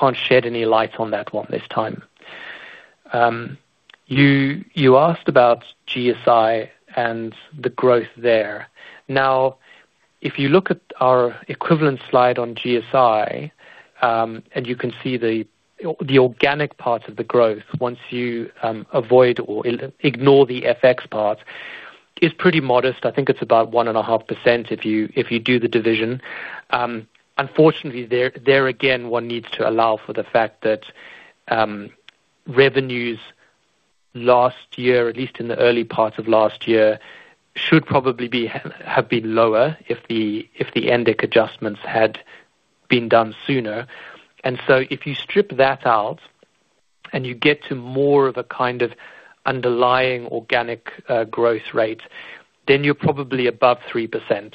S3: can't shed any light on that one this time. You asked about GSI and the growth there. If you look at our equivalent slide on GSI, and you can see the organic part of the growth, once you avoid or ignore the FX part, is pretty modest. I think it's about 1.5% if you do the division. Unfortunately, again, one needs to allow for the fact that revenues last year, at least in the early part of last year, should probably have been lower if the ENIC adjustments had been done sooner. If you strip that out and you get to more of a kind of underlying organic growth rate. You're probably above 3%.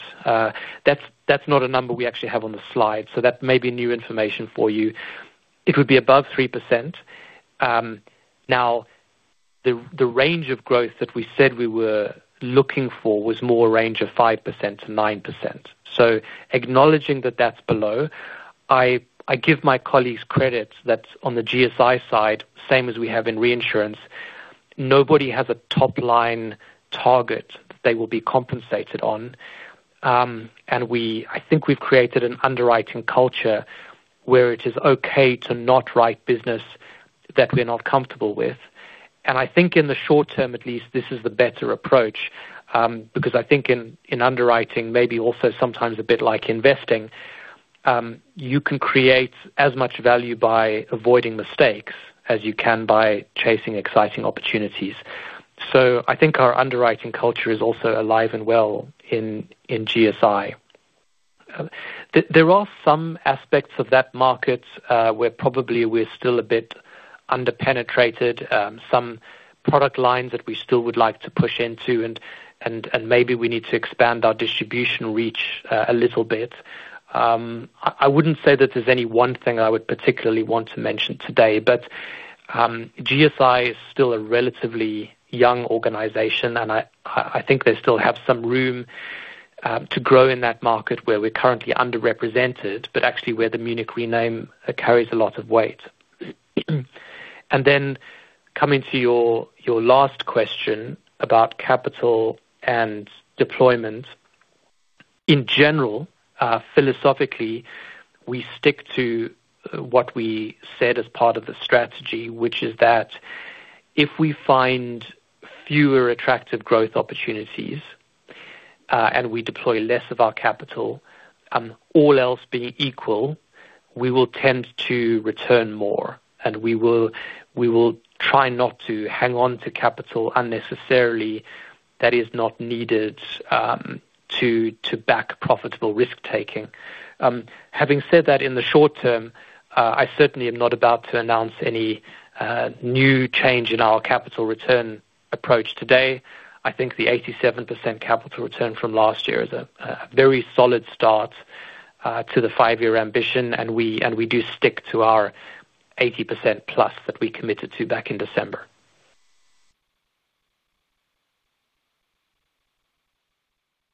S3: That's, that's not a number we actually have on the slide, so that may be new information for you. It would be above 3%. Now, the range of growth that we said we were looking for was more a range of 5%-9%. Acknowledging that that's below, I give my colleagues credit that on the GSI side, same as we have in reinsurance, nobody has a top-line target they will be compensated on. I think we've created an underwriting culture where it is okay to not write business that we're not comfortable with. I think in the short term, at least, this is the better approach, because I think in underwriting, maybe also sometimes a bit like investing, you can create as much value by avoiding mistakes as you can by chasing exciting opportunities. I think our underwriting culture is also alive and well in GSI. There are some aspects of that market where probably we're still a bit under-penetrated, some product lines that we still would like to push into and maybe we need to expand our distribution reach a little bit. I wouldn't say that there's any one thing I would particularly want to mention today, but GSI is still a relatively young organization, and I think they still have some room to grow in that market where we're currently underrepresented, but actually where the Munich Re name carries a lot of weight. Coming to your last question about capital and deployment. In general, philosophically, we stick to what we said as part of the strategy, which is that if we find fewer attractive growth opportunities, and we deploy less of our capital, all else being equal, we will tend to return more, and we will try not to hang on to capital unnecessarily that is not needed to back profitable risk-taking. Having said that, in the short term, I certainly am not about to announce any new change in our capital return approach today. I think the 87% capital return from last year is a very solid start to the five-year ambition, and we do stick to our 80%+ that we committed to back in December.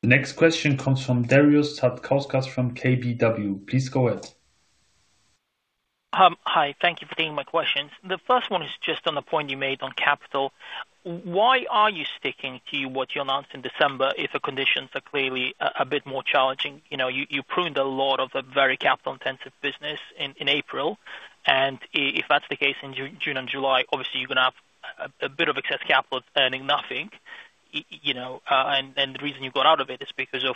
S1: Next question comes from Darius Satkauskas from KBW. Please go ahead.
S9: Hi. Thank you for taking my questions. The first one is just on the point you made on capital. Why are you sticking to what you announced in December if the conditions are clearly a bit more challenging? You know, you pruned a lot of the very capital-intensive business in April. If that's the case in June and July, obviously you're gonna have a bit of excess capital earning nothing, you know, and the reason you've gone out of it is because of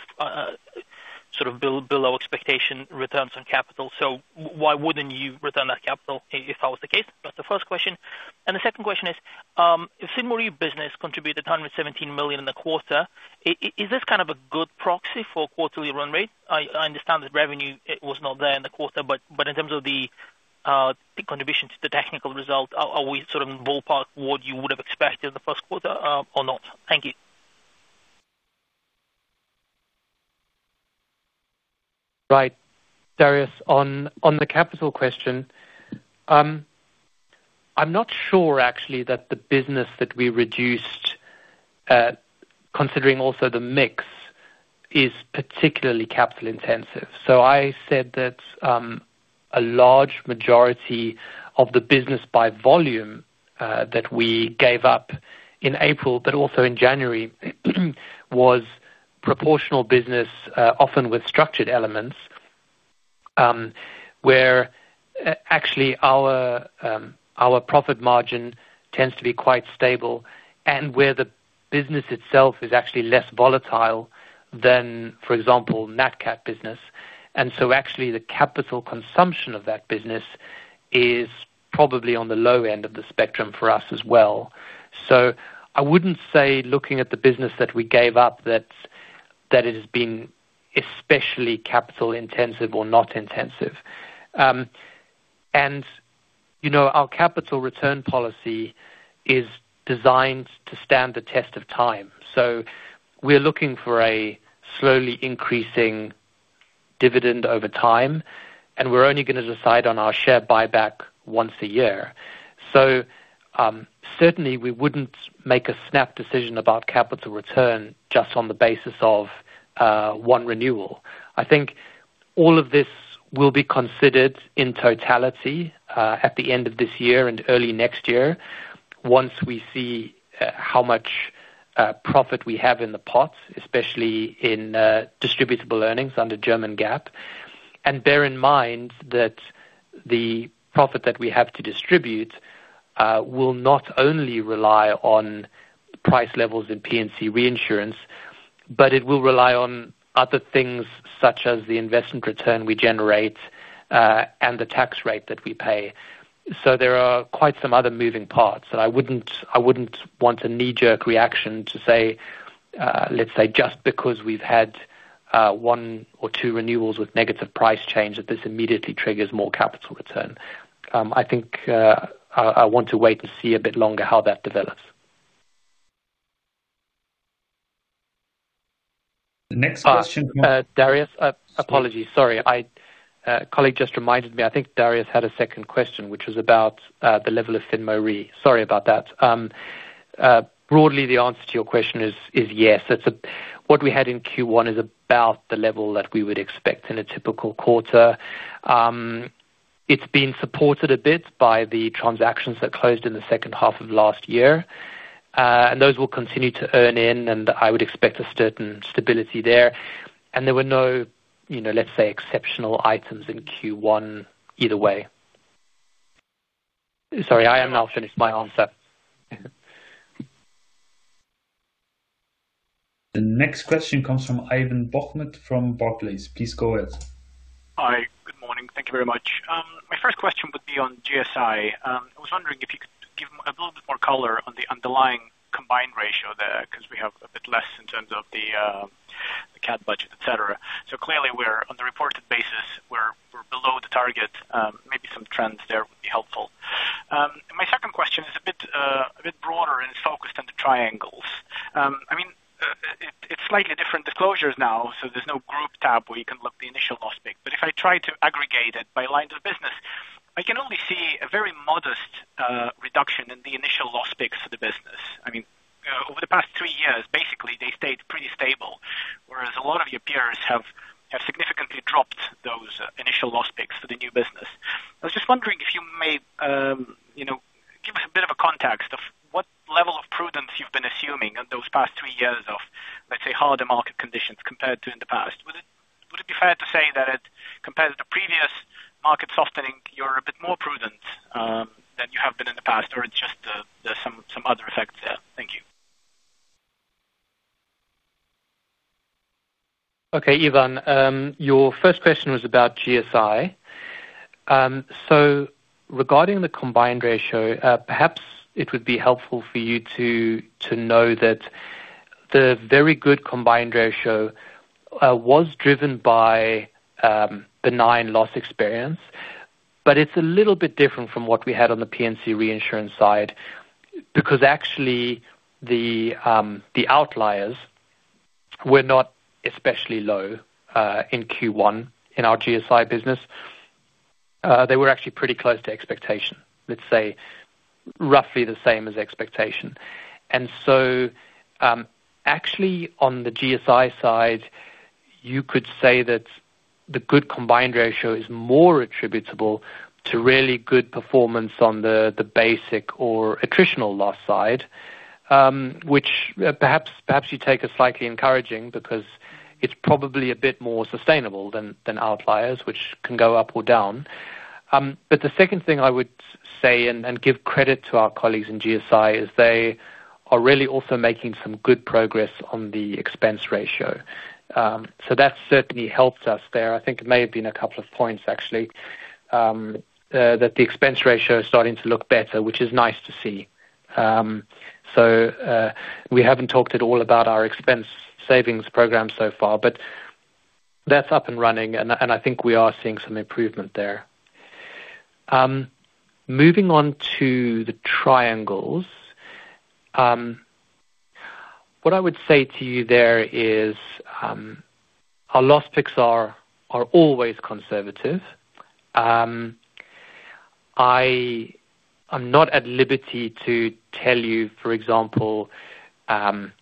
S9: sort of below expectation returns on capital. Why wouldn't you return that capital if that was the case? That's the first question. The second question is, if FinRe business contributed 117 million in the quarter, is this kind of a good proxy for quarterly run rate? I understand that revenue, it was not there in the quarter, but in terms of the contribution to the technical result, are we sort of ballpark what you would have expected in the first quarter, or not? Thank you.
S3: Right. Darius, on the capital question, I'm not sure actually that the business that we reduced, considering also the mix, is particularly capital-intensive. I said that a large majority of the business by volume that we gave up in April but also in January was proportional business, often with structured elements, where actually our profit margin tends to be quite stable and where the business itself is actually less volatile than, for example, Nat Cat business. Actually the capital consumption of that business is probably on the low end of the spectrum for us as well. I wouldn't say looking at the business that we gave up that it has been especially capital-intensive or not intensive. You know, our capital return policy is designed to stand the test of time. We're looking for a slowly increasing dividend over time, and we're only gonna decide on our share buyback once a year. Certainly we wouldn't make a snap decision about capital return just on the basis of one renewal. I think all of this will be considered in totality at the end of this year and early next year once we see how much profit we have in the pot, especially in distributable earnings under German GAAP. Bear in mind that the profit that we have to distribute will not only rely on price levels in P&C reinsurance, but it will rely on other things such as the investment return we generate and the tax rate that we pay. There are quite some other moving parts. I wouldn't want a knee-jerk reaction to say, let's say, just because we've had one or two renewals with negative price change, that this immediately triggers more capital return. I think, I want to wait and see a bit longer how that develops.
S1: Next question-
S3: Darius. Apologies. Sorry. A colleague just reminded me. I think Darius had a second question, which was about the level of FinRe. Sorry about that. Broadly, the answer to your question is yes. What we had in Q1 is about the level that we would expect in a typical quarter. It's been supported a bit by the transactions that closed in the second half of last year. Those will continue to earn in, and I would expect a certain stability there. There were no, you know, let's say, exceptional items in Q1 either way. Sorry, I am now finished my answer.
S1: The next question comes from Ivan Bokhmat from Barclays. Please go ahead.
S10: Hi. Good morning. Thank you very much. My first question would be on GSI. I was wondering if you could give a little bit more color on the underlying combined ratio there 'cause we have a bit less in terms of the cat budget, et cetera. Clearly we're on the reported basis, we're below the target. Maybe some trends there would be helpful. My second question is a bit broader and focused on the triangles. I mean, it's slightly different disclosures now, there's no group tab where you can look the initial loss pick. If I try to aggregate it by line to the business, I can only see a very modest reduction in the initial loss picks for the business. I mean, over the past three-years, basically, they stayed pretty stable, whereas a lot of your peers have significantly dropped those initial loss picks for the new business. I was just wondering if you may, you know, give us a bit of a context of what level of prudence you've been assuming in those past three-years of, let's say, harder market conditions compared to in the past. Would it be fair to say that compared to previous market softening, you're a bit more prudent than you have been in the past? It's just, there's some other effects there. Thank you.
S3: Okay, Ivan. Your first question was about GSI. Regarding the combined ratio, perhaps it would be helpful for you to know that the very good combined ratio was driven by benign loss experience. It's a little bit different from what we had on the P&C reinsurance side, because actually the outliers were not especially low in Q1 in our GSI business. They were actually pretty close to expectation. Let's say roughly the same as expectation. Actually, on the GSI side, you could say that the good combined ratio is more attributable to really good performance on the basic or attritional loss side, which perhaps you take as slightly encouraging because it's probably a bit more sustainable than outliers, which can go up or down. The second thing I would say and give credit to our colleagues in GSI, is they are really also making some good progress on the expense ratio. That certainly helps us there. I think it may have been 2 points actually, that the expense ratio is starting to look better, which is nice to see. We haven't talked at all about our expense savings program so far, but that's up and running, and I think we are seeing some improvement there. Moving on to the triangles. What I would say to you there is, our loss picks are always conservative. I am not at liberty to tell you, for example, what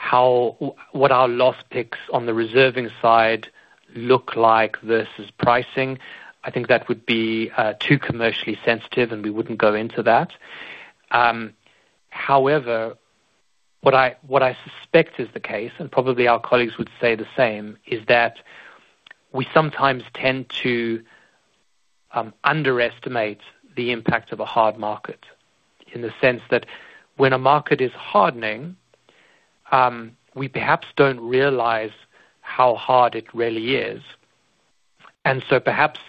S3: our loss picks on the reserving side look like versus pricing. I think that would be too commercially sensitive, and we wouldn't go into that. However, what I, what I suspect is the case, and probably our colleagues would say the same, is that we sometimes tend to underestimate the impact of a hard market. In the sense that when a market is hardening, we perhaps don't realize how hard it really is. Perhaps,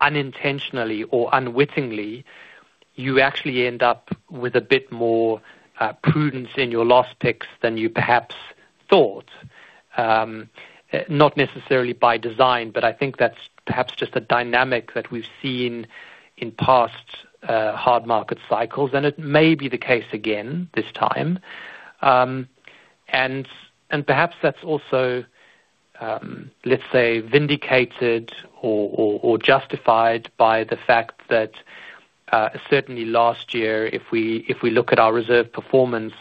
S3: unintentionally or unwittingly, you actually end up with a bit more prudence in your loss picks than you perhaps thought. Not necessarily by design, but I think that's perhaps just a dynamic that we've seen in past hard market cycles, and it may be the case again this time. Perhaps that's also, let's say, vindicated or justified by the fact that, certainly last year, if we look at our reserve performance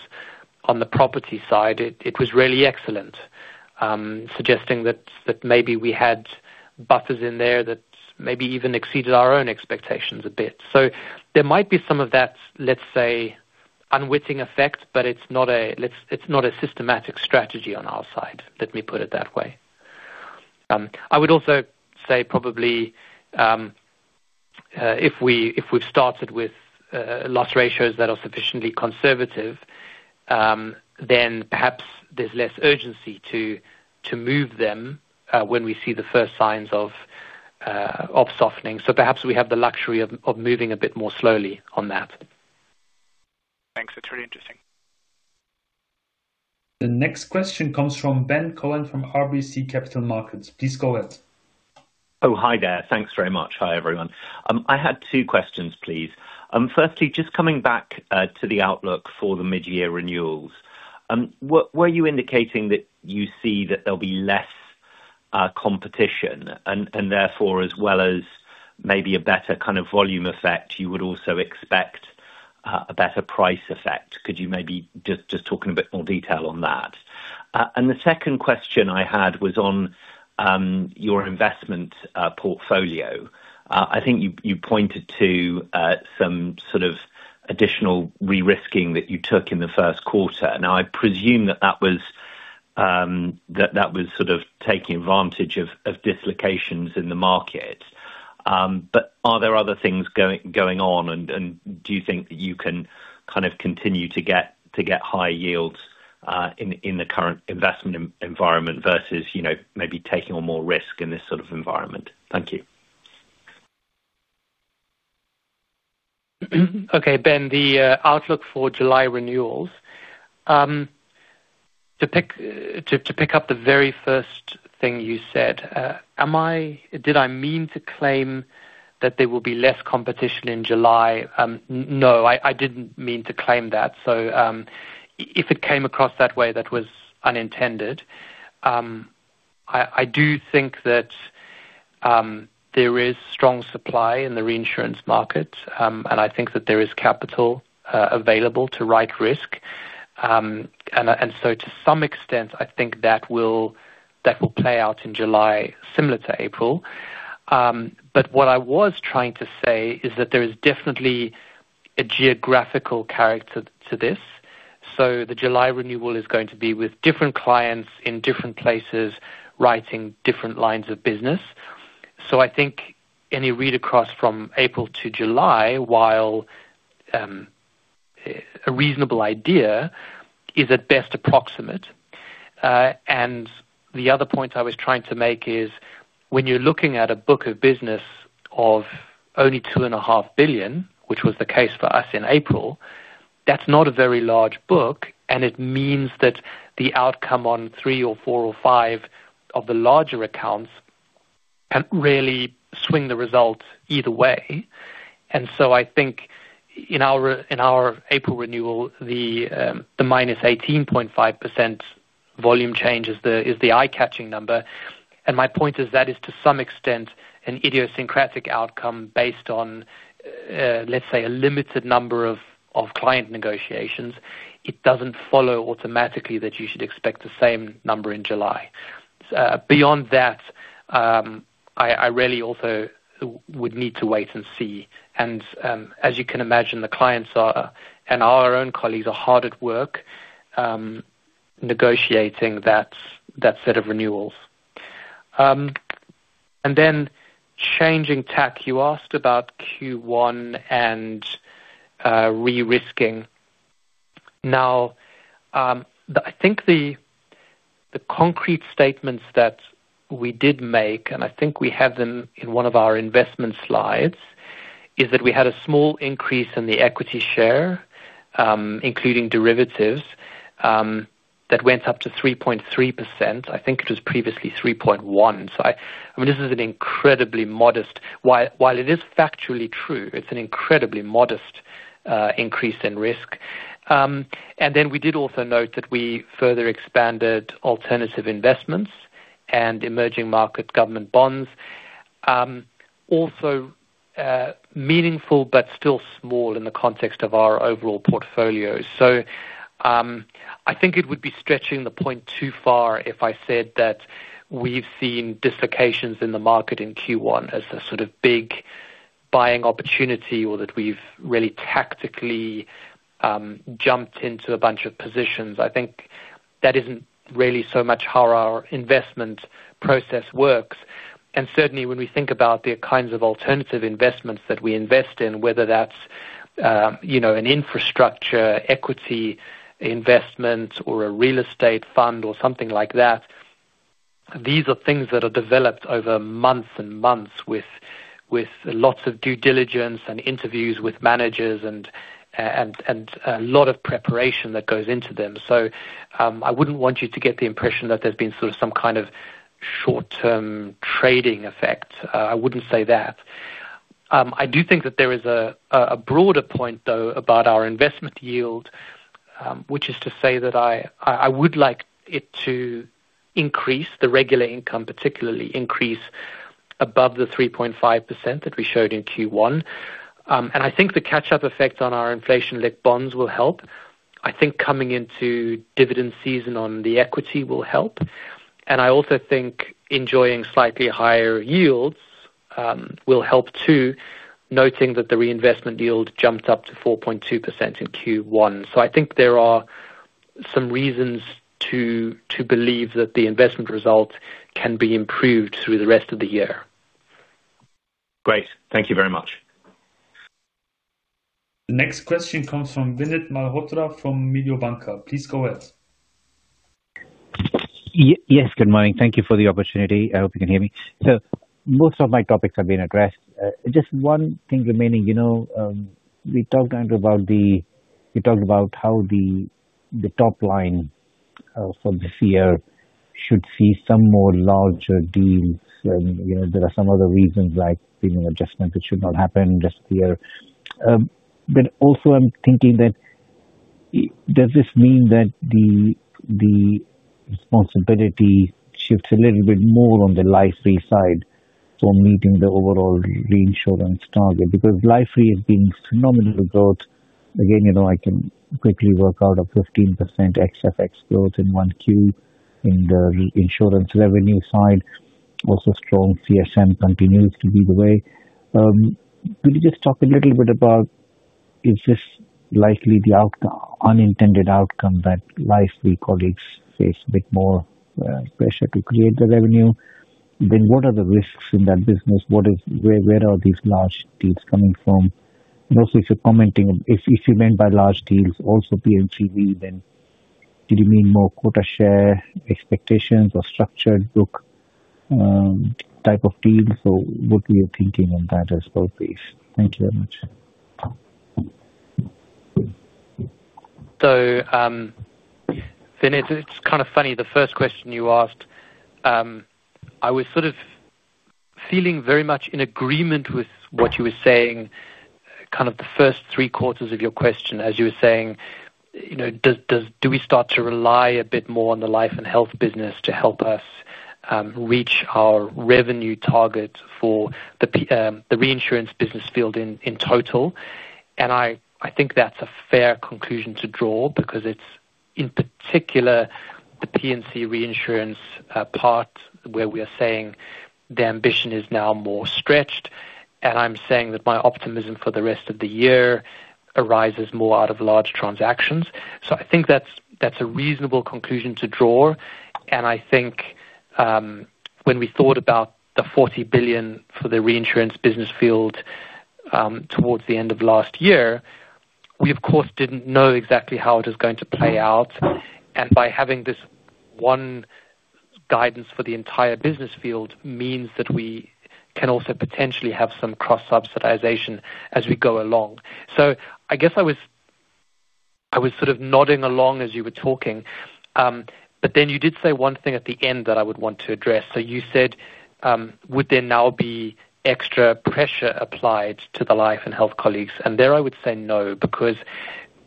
S3: on the property side, it was really excellent. Suggesting that maybe we had buffers in there that maybe even exceeded our own expectations a bit. There might be some of that, let's say, unwitting effect, but it's not a systematic strategy on our side. Let me put it that way. I would also say probably, if we've started with loss ratios that are sufficiently conservative, then perhaps there's less urgency to move them when we see the first signs of softening. Perhaps we have the luxury of moving a bit more slowly on that.
S10: Thanks. It's really interesting.
S1: The next question comes from Ben Cohen from RBC Capital Markets. Please go ahead.
S11: Hi there. Thanks very much. Hi, everyone. I had two questions please. Firstly just coming back to the outlook for the mid-year renewals. Were you indicating that you see that there'll be less competition and therefore as well as maybe a better kind of volume effect, you would also expect a better price effect? Could you maybe just talk in a bit more detail on that? The second question I had was on your investment portfolio. I think you pointed to some sort of additional re-risking that you took in the first quarter. I presume that was sort of taking advantage of dislocations in the market. Are there other things going on and do you think that you can kind of continue to get high yields in the current investment environment versus, you know, maybe taking on more risk in this sort of environment? Thank you.
S3: Okay, Ben, the outlook for July renewals. To pick up the very first thing you said, am I Did I mean to claim that there will be less competition in July? No, I didn't mean to claim that. If it came across that way, that was unintended. I do think that there is strong supply in the reinsurance market, and I think that there is capital available to write risk. To some extent, I think that will play out in July similar to April. What I was trying to say is that there is definitely a geographical character to this. The July renewal is going to be with different clients in different places, writing different lines of business. I think any read across from April to July, while a reasonable idea, is at best approximate. The other point I was trying to make is when you're looking at a book of business of only 2.5 billion, which was the case for us in April, that's not a very large book, and it means that the outcome on three or four or five of the larger accounts can really swing the results either way. I think in our, in our April renewal, the -18.5% volume change is the eye-catching number. My point is that is to some extent an idiosyncratic outcome based on, let's say, a limited number of client negotiations. It doesn't follow automatically that you should expect the same number in July. Beyond that, I really also would need to wait and see. As you can imagine, the clients are, and our own colleagues are hard at work, negotiating that set of renewals. Changing tack, you asked about Q1 and re-risking. Now, I think the concrete statements that we did make, and I think we have them in one of our investment slides, is that we had a small increase in the equity share, including derivatives, that went up to 3.3%. I think it was previously 3.1%. I mean, this is an incredibly modest. While it is factually true, it's an incredibly modest increase in risk. We did also note that we further expanded alternative investments and emerging market government bonds, also meaningful but still small in the context of our overall portfolio. I think it would be stretching the point too far if I said that we've seen dislocations in the market in Q1 as a sort of big buying opportunity or that we've really tactically jumped into a bunch of positions. I think that isn't really so much how our investment process works. Certainly, when we think about the kinds of alternative investments that we invest in, whether that's, you know, an infrastructure equity investment or a real estate fund or something like that, these are things that are developed over months and months with lots of due diligence and interviews with managers and a lot of preparation that goes into them. I wouldn't want you to get the impression that there's been sort of some kind of short-term trading effect. I wouldn't say that. I do think that there is a broader point, though, about our investment yield, which is to say that I would like it to increase the regular income, particularly increase above the 3.5% that we showed in Q1. I think the catch-up effect on our inflation-linked bonds will help. I think coming into dividend season on the equity will help. I also think enjoying slightly higher yields will help too, noting that the reinvestment yield jumped up to 4.2% in Q1. I think there are some reasons to believe that the investment results can be improved through the rest of the year.
S11: Great. Thank you very much.
S1: The next question comes from Vinit Malhotra from Mediobanca. Please go ahead.
S12: Yes, good morning. Thank you for the opportunity. I hope you can hear me. Most of my topics have been addressed. Just one thing remaining, you know we talked about how the top line from the Re should see some more larger deals. But also, I'm thinking that does this mean that the responsibility shifts a little bit more on the Life Re side for meeting the overall reinsurance target? Because Life Re is being phenomenal growth. Again, you know, I can quickly work out a 15% ex-FX growth in 1Q in the reinsurance revenue side. Also, strong CSM continues to lead the way. Could you just talk a little bit about is this likely the unintended outcome that Life Re colleagues face a bit more pressure to create the revenue? What are the risks in that business? Where are these large deals coming from? If you're commenting, if you mean by large deals also P&C deal, do you mean more quota share expectations or structured book type of deals? What are you thinking on that as well, please? Thank you very much.
S3: Then it's kind of funny, the first question you asked, I was sort of feeling very much in agreement with what you were saying, kind of the first three quarters of your question, as you were saying, you know, do we start to rely a bit more on the life and health business to help us reach our revenue target for the reinsurance business field in total. I think that's a fair conclusion to draw because it's, in particular, the P&C reinsurance part where we are saying the ambition is now more stretched. I'm saying that my optimism for the rest of the year arises more out of large transactions. I think that's a reasonable conclusion to draw. I think, when we thought about the 40 billion for the reinsurance business field, towards the end of last year, we of course didn't know exactly how it is going to play out. By having this one guidance for the entire business field means that we can also potentially have some cross-subsidization as we go along. I guess I was sort of nodding along as you were talking. You did say one thing at the end that I would want to address. You said, would there now be extra pressure applied to the life and health colleagues? There I would say no, because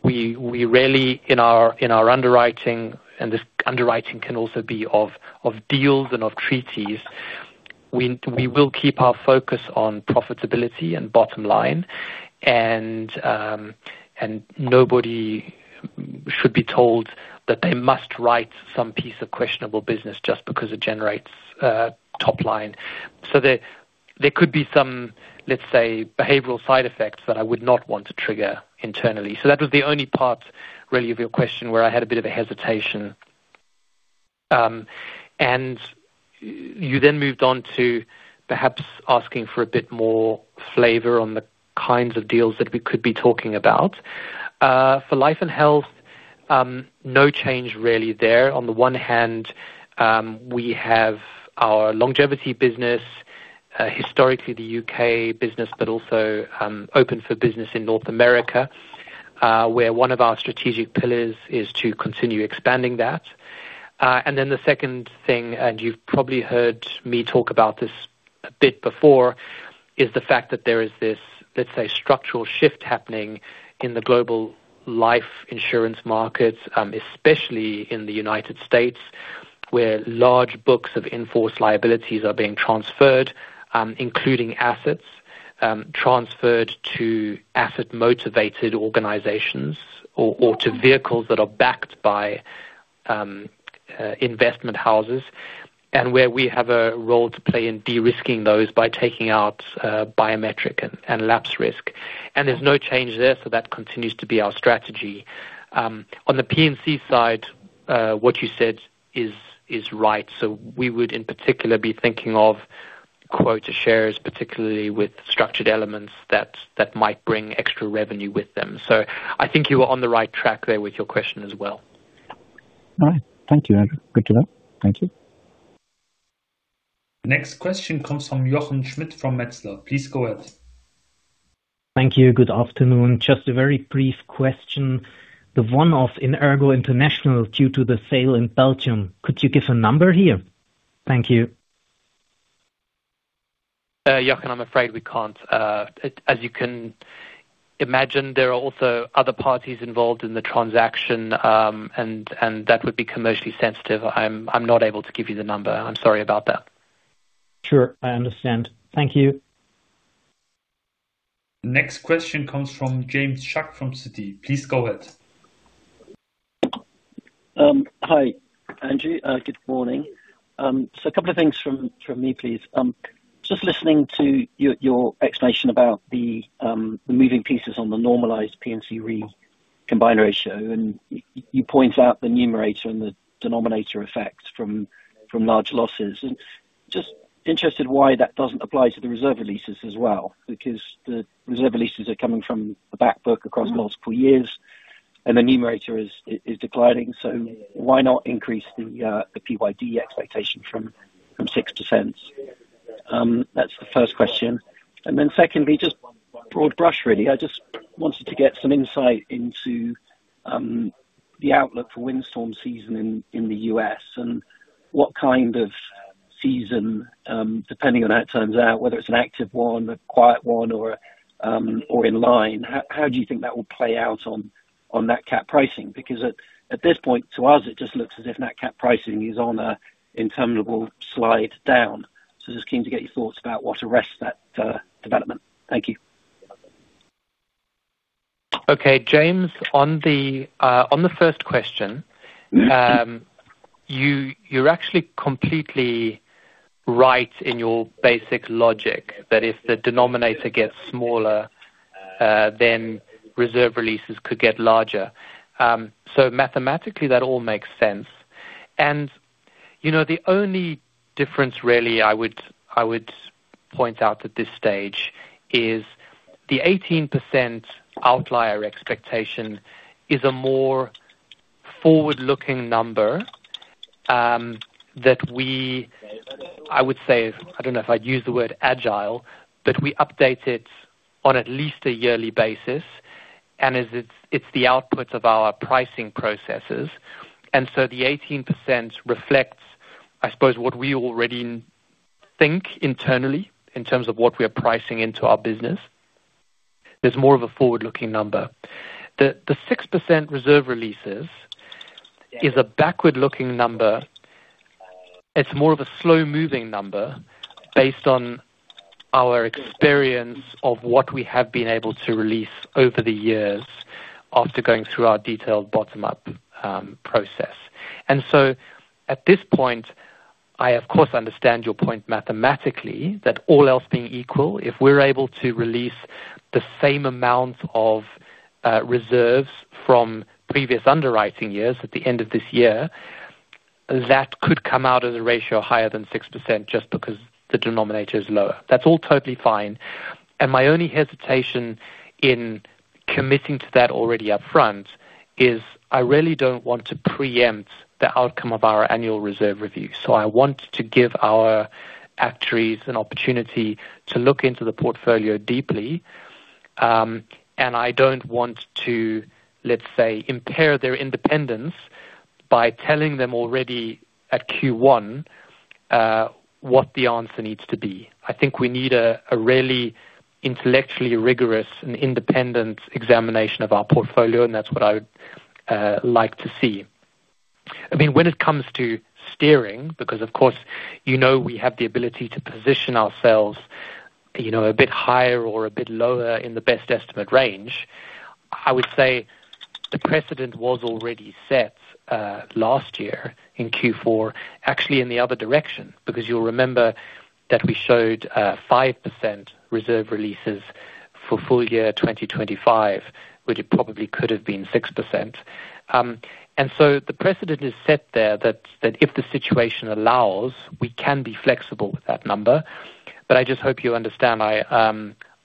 S3: we rarely in our underwriting, and this underwriting can also be of deals and of treaties. We will keep our focus on profitability and bottom line. Nobody should be told that they must write some piece of questionable business just because it generates top line. There could be some, let's say, behavioral side effects that I would not want to trigger internally. That was the only part really of your question where I had a bit of a hesitation. You then moved on to perhaps asking for a bit more flavor on the kinds of deals that we could be talking about. For life and health, no change really there. On the one hand, we have our longevity business, historically the U.K. business, but also open for business in North America, where one of our strategic pillars is to continue expanding that. The second thing, and you've probably heard me talk about this a bit before, is the fact that there is this, let's say, structural shift happening in the global life insurance markets, especially in the United States, where large books of in-force liabilities are being transferred, including assets, transferred to asset-motivated organizations or to vehicles that are backed by investment houses, and where we have a role to play in de-risking those by taking out biometric and lapse risk. There's no change there, so that continues to be our strategy. On the P&C side, what you said is right. We would in particular be thinking of quota shares, particularly with structured elements that might bring extra revenue with them. I think you are on the right track there with your question as well.
S12: All right. Thank you, Andrew. Good to know. Thank you.
S1: Next question comes from Jochen Schmitt from Metzler. Please go ahead.
S13: Thank you. Good afternoon. Just a very brief question. The one-off in ERGO International due to the sale in Belgium, could you give a number here? Thank you.
S3: Jochen, I'm afraid we can't. As you can imagine, there are also other parties involved in the transaction, and that would be commercially sensitive. I'm not able to give you the number. I'm sorry about that.
S13: Sure, I understand. Thank you.
S1: Next question comes from James Shuck from Citi. Please go ahead.
S14: Hi, Andrew. Good morning. A couple of things from me, please. Just listening to your explanation about the moving pieces on the normalized P&C Re combined ratio, and you point out the numerator and the denominator effect from large losses. Just interested why that doesn't apply to the reserve releases as well. The reserve releases are coming from the back book across multiple years and the numerator is declining, why not increase the PYD expectation from 6%? That's the first question. Secondly, just broad brush really. I just wanted to get some insight into the outlook for windstorm season in the U.S. and what kind of season, depending on how it turns out, whether it's an active one, a quiet one or in line, how do you think that will play out on Nat Cat pricing? Because at this point, to us, it just looks as if Nat Cat pricing is on a interminable slide down. Just keen to get your thoughts about what arrests that development. Thank you.
S3: Okay, James, on the first question you, you're actually completely right in your basic logic that if the denominator gets smaller, then reserve releases could get larger. Mathematically, that all makes sense. You know, the only difference really I would point out at this stage is the 18% outlier expectation is a more forward-looking number that we update it on at least a yearly basis, and it's the output of our pricing processes. The 18% reflects, I suppose, what we already think internally in terms of what we are pricing into our business. There's more of a forward-looking number. The 6% reserve releases is a backward-looking number. It's more of a slow-moving number based on our experience of what we have been able to release over the years after going through our detailed bottom up process. At this point, I of course understand your point mathematically, that all else being equal, if we're able to release the same amount of reserves from previous underwriting years at the end of this year, that could come out as a ratio higher than 6% just because the denominator is lower. That's all totally fine. My only hesitation in committing to that already upfront is I really don't want to preempt the outcome of our annual reserve review. I want to give our actuaries an opportunity to look into the portfolio deeply, and I don't want to, let's say, impair their independence by telling them already at Q1 what the answer needs to be. I think we need a really intellectually rigorous and independent examination of our portfolio, and that's what I would like to see. I mean, when it comes to steering, because of course, you know we have the ability to position ourselves, you know, a bit higher or a bit lower in the best estimate range. I would say the precedent was already set last year in Q4, actually in the other direction. You'll remember that we showed 5% reserve releases for full year 2025, which it probably could have been 6%. The precedent is set there that if the situation allows, we can be flexible with that number. I just hope you understand,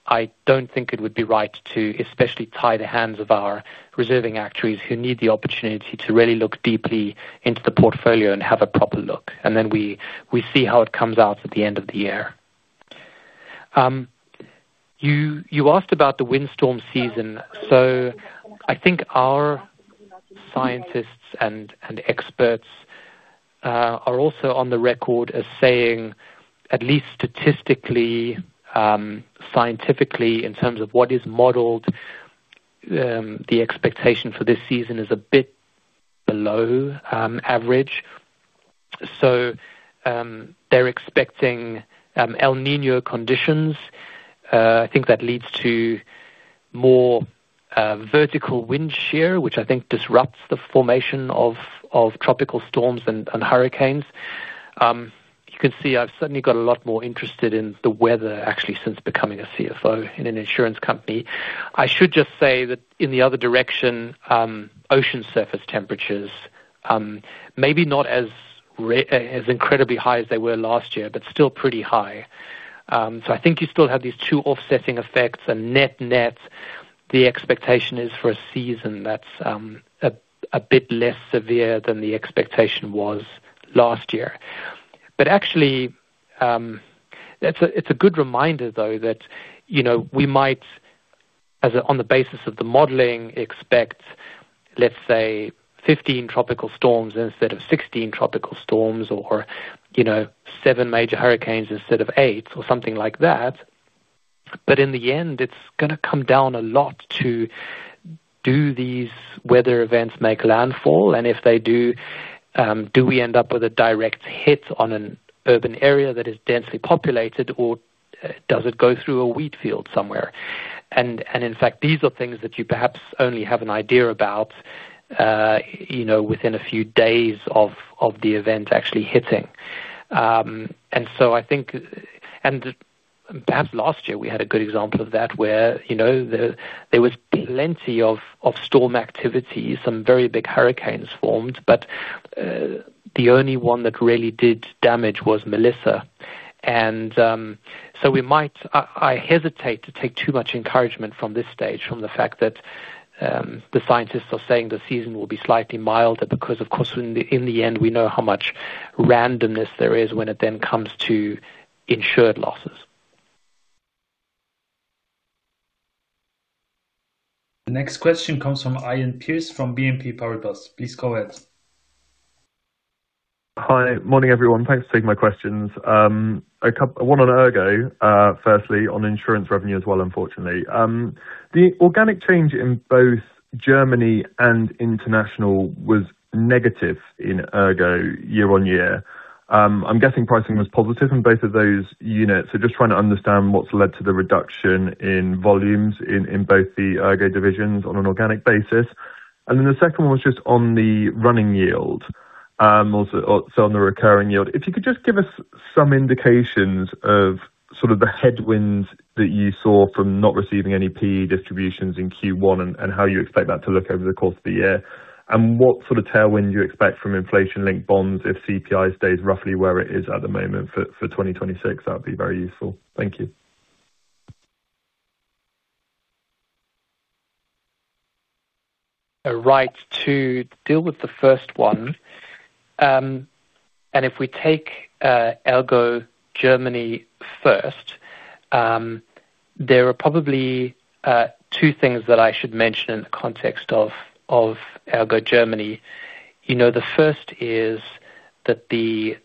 S3: I don't think it would be right to especially tie the hands of our reserving actuaries who need the opportunity to really look deeply into the portfolio and have a proper look. We see how it comes out at the end of the year. You asked about the windstorm season. I think our scientists and experts are also on the record as saying at least statistically, scientifically in terms of what is modeled, the expectation for this season is a bit below average. They're expecting El Niño conditions. I think that leads to more vertical wind shear, which I think disrupts the formation of tropical storms and hurricanes. You can see I've certainly got a lot more interested in the weather actually since becoming a Chief Financial Officer in an insurance company. I should just say that in the other direction, ocean surface temperatures, maybe not as incredibly high as they were last year, but still pretty high. I think you still have these two offsetting effects and net-net, the expectation is for a season that's a bit less severe than the expectation was last year. Actually, that's a good reminder though that, you know, we might on the basis of the modeling expect, let's say 15 tropical storms instead of 16 tropical storms or, you know, seven major hurricanes instead of eight or something like that. In the end, it's gonna come down a lot to do these weather events make landfall and if they do we end up with a direct hit on an urban area that is densely populated or does it go through a wheat field somewhere? In fact, these are things that you perhaps only have an idea about, you know within a few days of the event actually hitting. I think perhaps last year we had a good example of that where, you know, there was plenty of storm activity, some very big hurricanes formed, but the only one that really did damage was Melissa. I hesitate to take too much encouragement from this stage, from the fact that the scientists are saying the season will be slightly milder because, of course, in the end, we know how much randomness there is when it then comes to insured losses.
S1: The next question comes from Iain Pearce from BNP Paribas. Please go ahead.
S15: Hi. Morning, everyone. Thanks for taking my questions. One on ERGO, firstly, on insurance revenue as well, unfortunately. The organic change in both Germany and International was negative in ERGO year on year. I'm guessing pricing was positive in both of those units. Just trying to understand what's led to the reduction in volumes in both the ERGO divisions on an organic basis. The second one was just on the running yield, also on the recurring yield. If you could just give us some indications of sort of the headwinds that you saw from not receiving any PE distributions in Q1 and how you expect that to look over the course of the year. What sort of tailwind do you expect from inflation-linked bonds if CPI stays roughly where it is at the moment for 2026? That would be very useful. Thank you.
S3: Right. To deal with the first one, if we take ERGO Germany first, there are probably two things that I should mention in the context of ERGO Germany. You know, the first is that the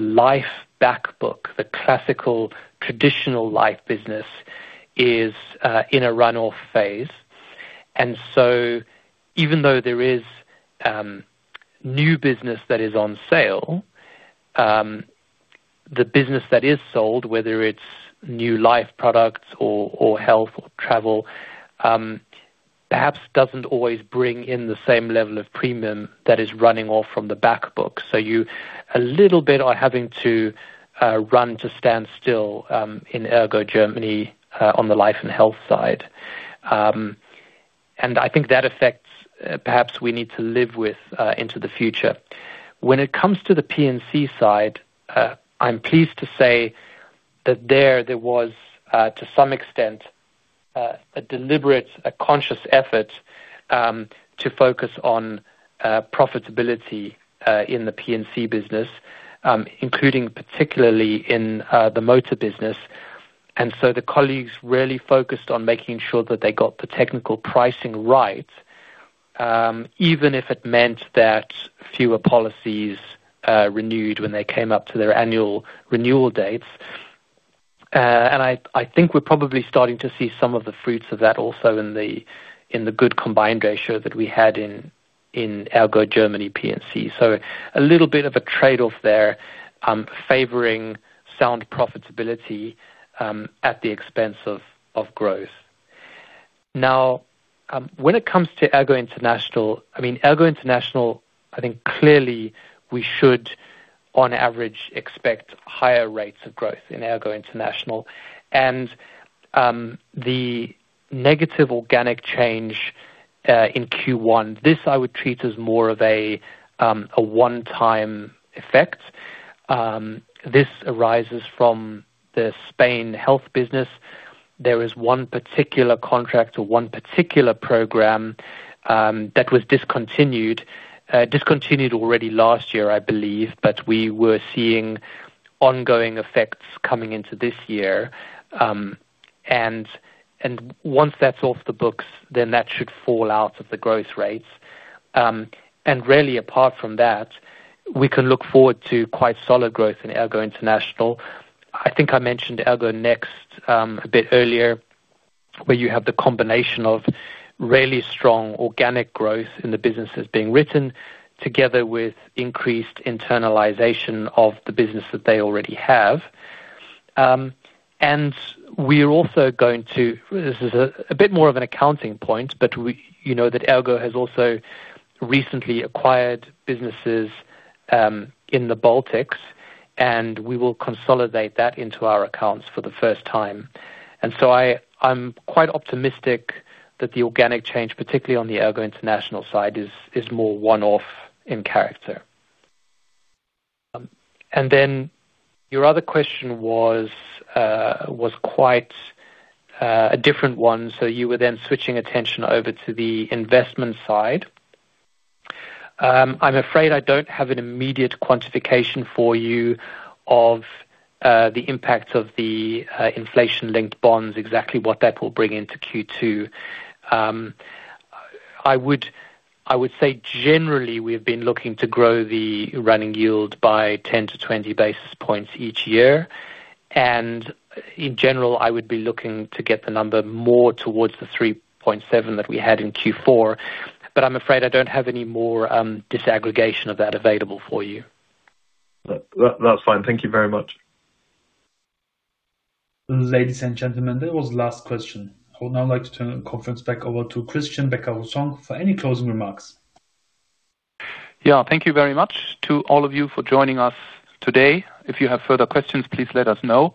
S3: life back book, the classical traditional life business is in a run-off phase. Even though there is new business that is on sale, the business that is sold, whether it's new life products or health or travel, perhaps doesn't always bring in the same level of premium that is running off from the back book. You a little bit are having to run to stand still in ERGO Germany on the life and health side. I think that affects, perhaps we need to live with into the future. When it comes to the P&C side, I'm pleased to say that there was to some extent a deliberate, a conscious effort to focus on profitability in the P&C business, including particularly in the motor business. The colleagues really focused on making sure that they got the technical pricing right, even if it meant that fewer policies renewed when they came up to their annual renewal dates. I think we're probably starting to see some of the fruits of that also in the good combined ratio that we had in ERGO Germany P&C. A little bit of a trade-off there, favoring sound profitability at the expense of growth. When it comes to ERGO International, I mean, ERGO International, I think clearly we should, on average, expect higher rates of growth in ERGO International. The negative organic change in Q1, this I would treat as more of a one-time effect. This arises from the Spain health business. There is one particular contract or one particular program that was discontinued already last year, I believe, but we were seeing ongoing effects coming into this year. And once that's off the books, then that should fall out of the growth rates. Really apart from that, we can look forward to quite solid growth in ERGO International. I think I mentioned ERGO Netz a bit earlier, where you have the combination of really strong organic growth in the business that's being written, together with increased internalization of the business that they already have. This is a bit more of an accounting point, but you know that ERGO has also recently acquired businesses in the Baltics, and we will consolidate that into our accounts for the first time. I am quite optimistic that the organic change, particularly on the ERGO International side, is more one-off in character. Your other question was quite a different one, so you were then switching attention over to the investment side. I'm afraid I don't have an immediate quantification for you of the impact of the inflation-linked bonds, exactly what that will bring into Q2. I would say generally, we've been looking to grow the running yield by 10-20 basis points each year. In general, I would be looking to get the number more towards the 3.7 that we had in Q4. I'm afraid I don't have any more disaggregation of that available for you.
S15: That's fine. Thank you very much.
S1: Ladies and gentlemen, that was the last question. I would now like to turn the conference back over to Christian Becker-Hussong for any closing remarks.
S2: Yeah. Thank you very much to all of you for joining us today. If you have further questions, please let us know.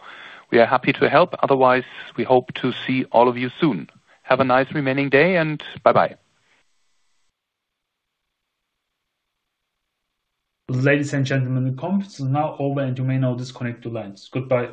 S2: We are happy to help. Otherwise, we hope to see all of you soon. Have a nice remaining day, and bye-bye.
S1: Ladies and gentlemen, the conference is now over, and you may now disconnect your lines. Goodbye.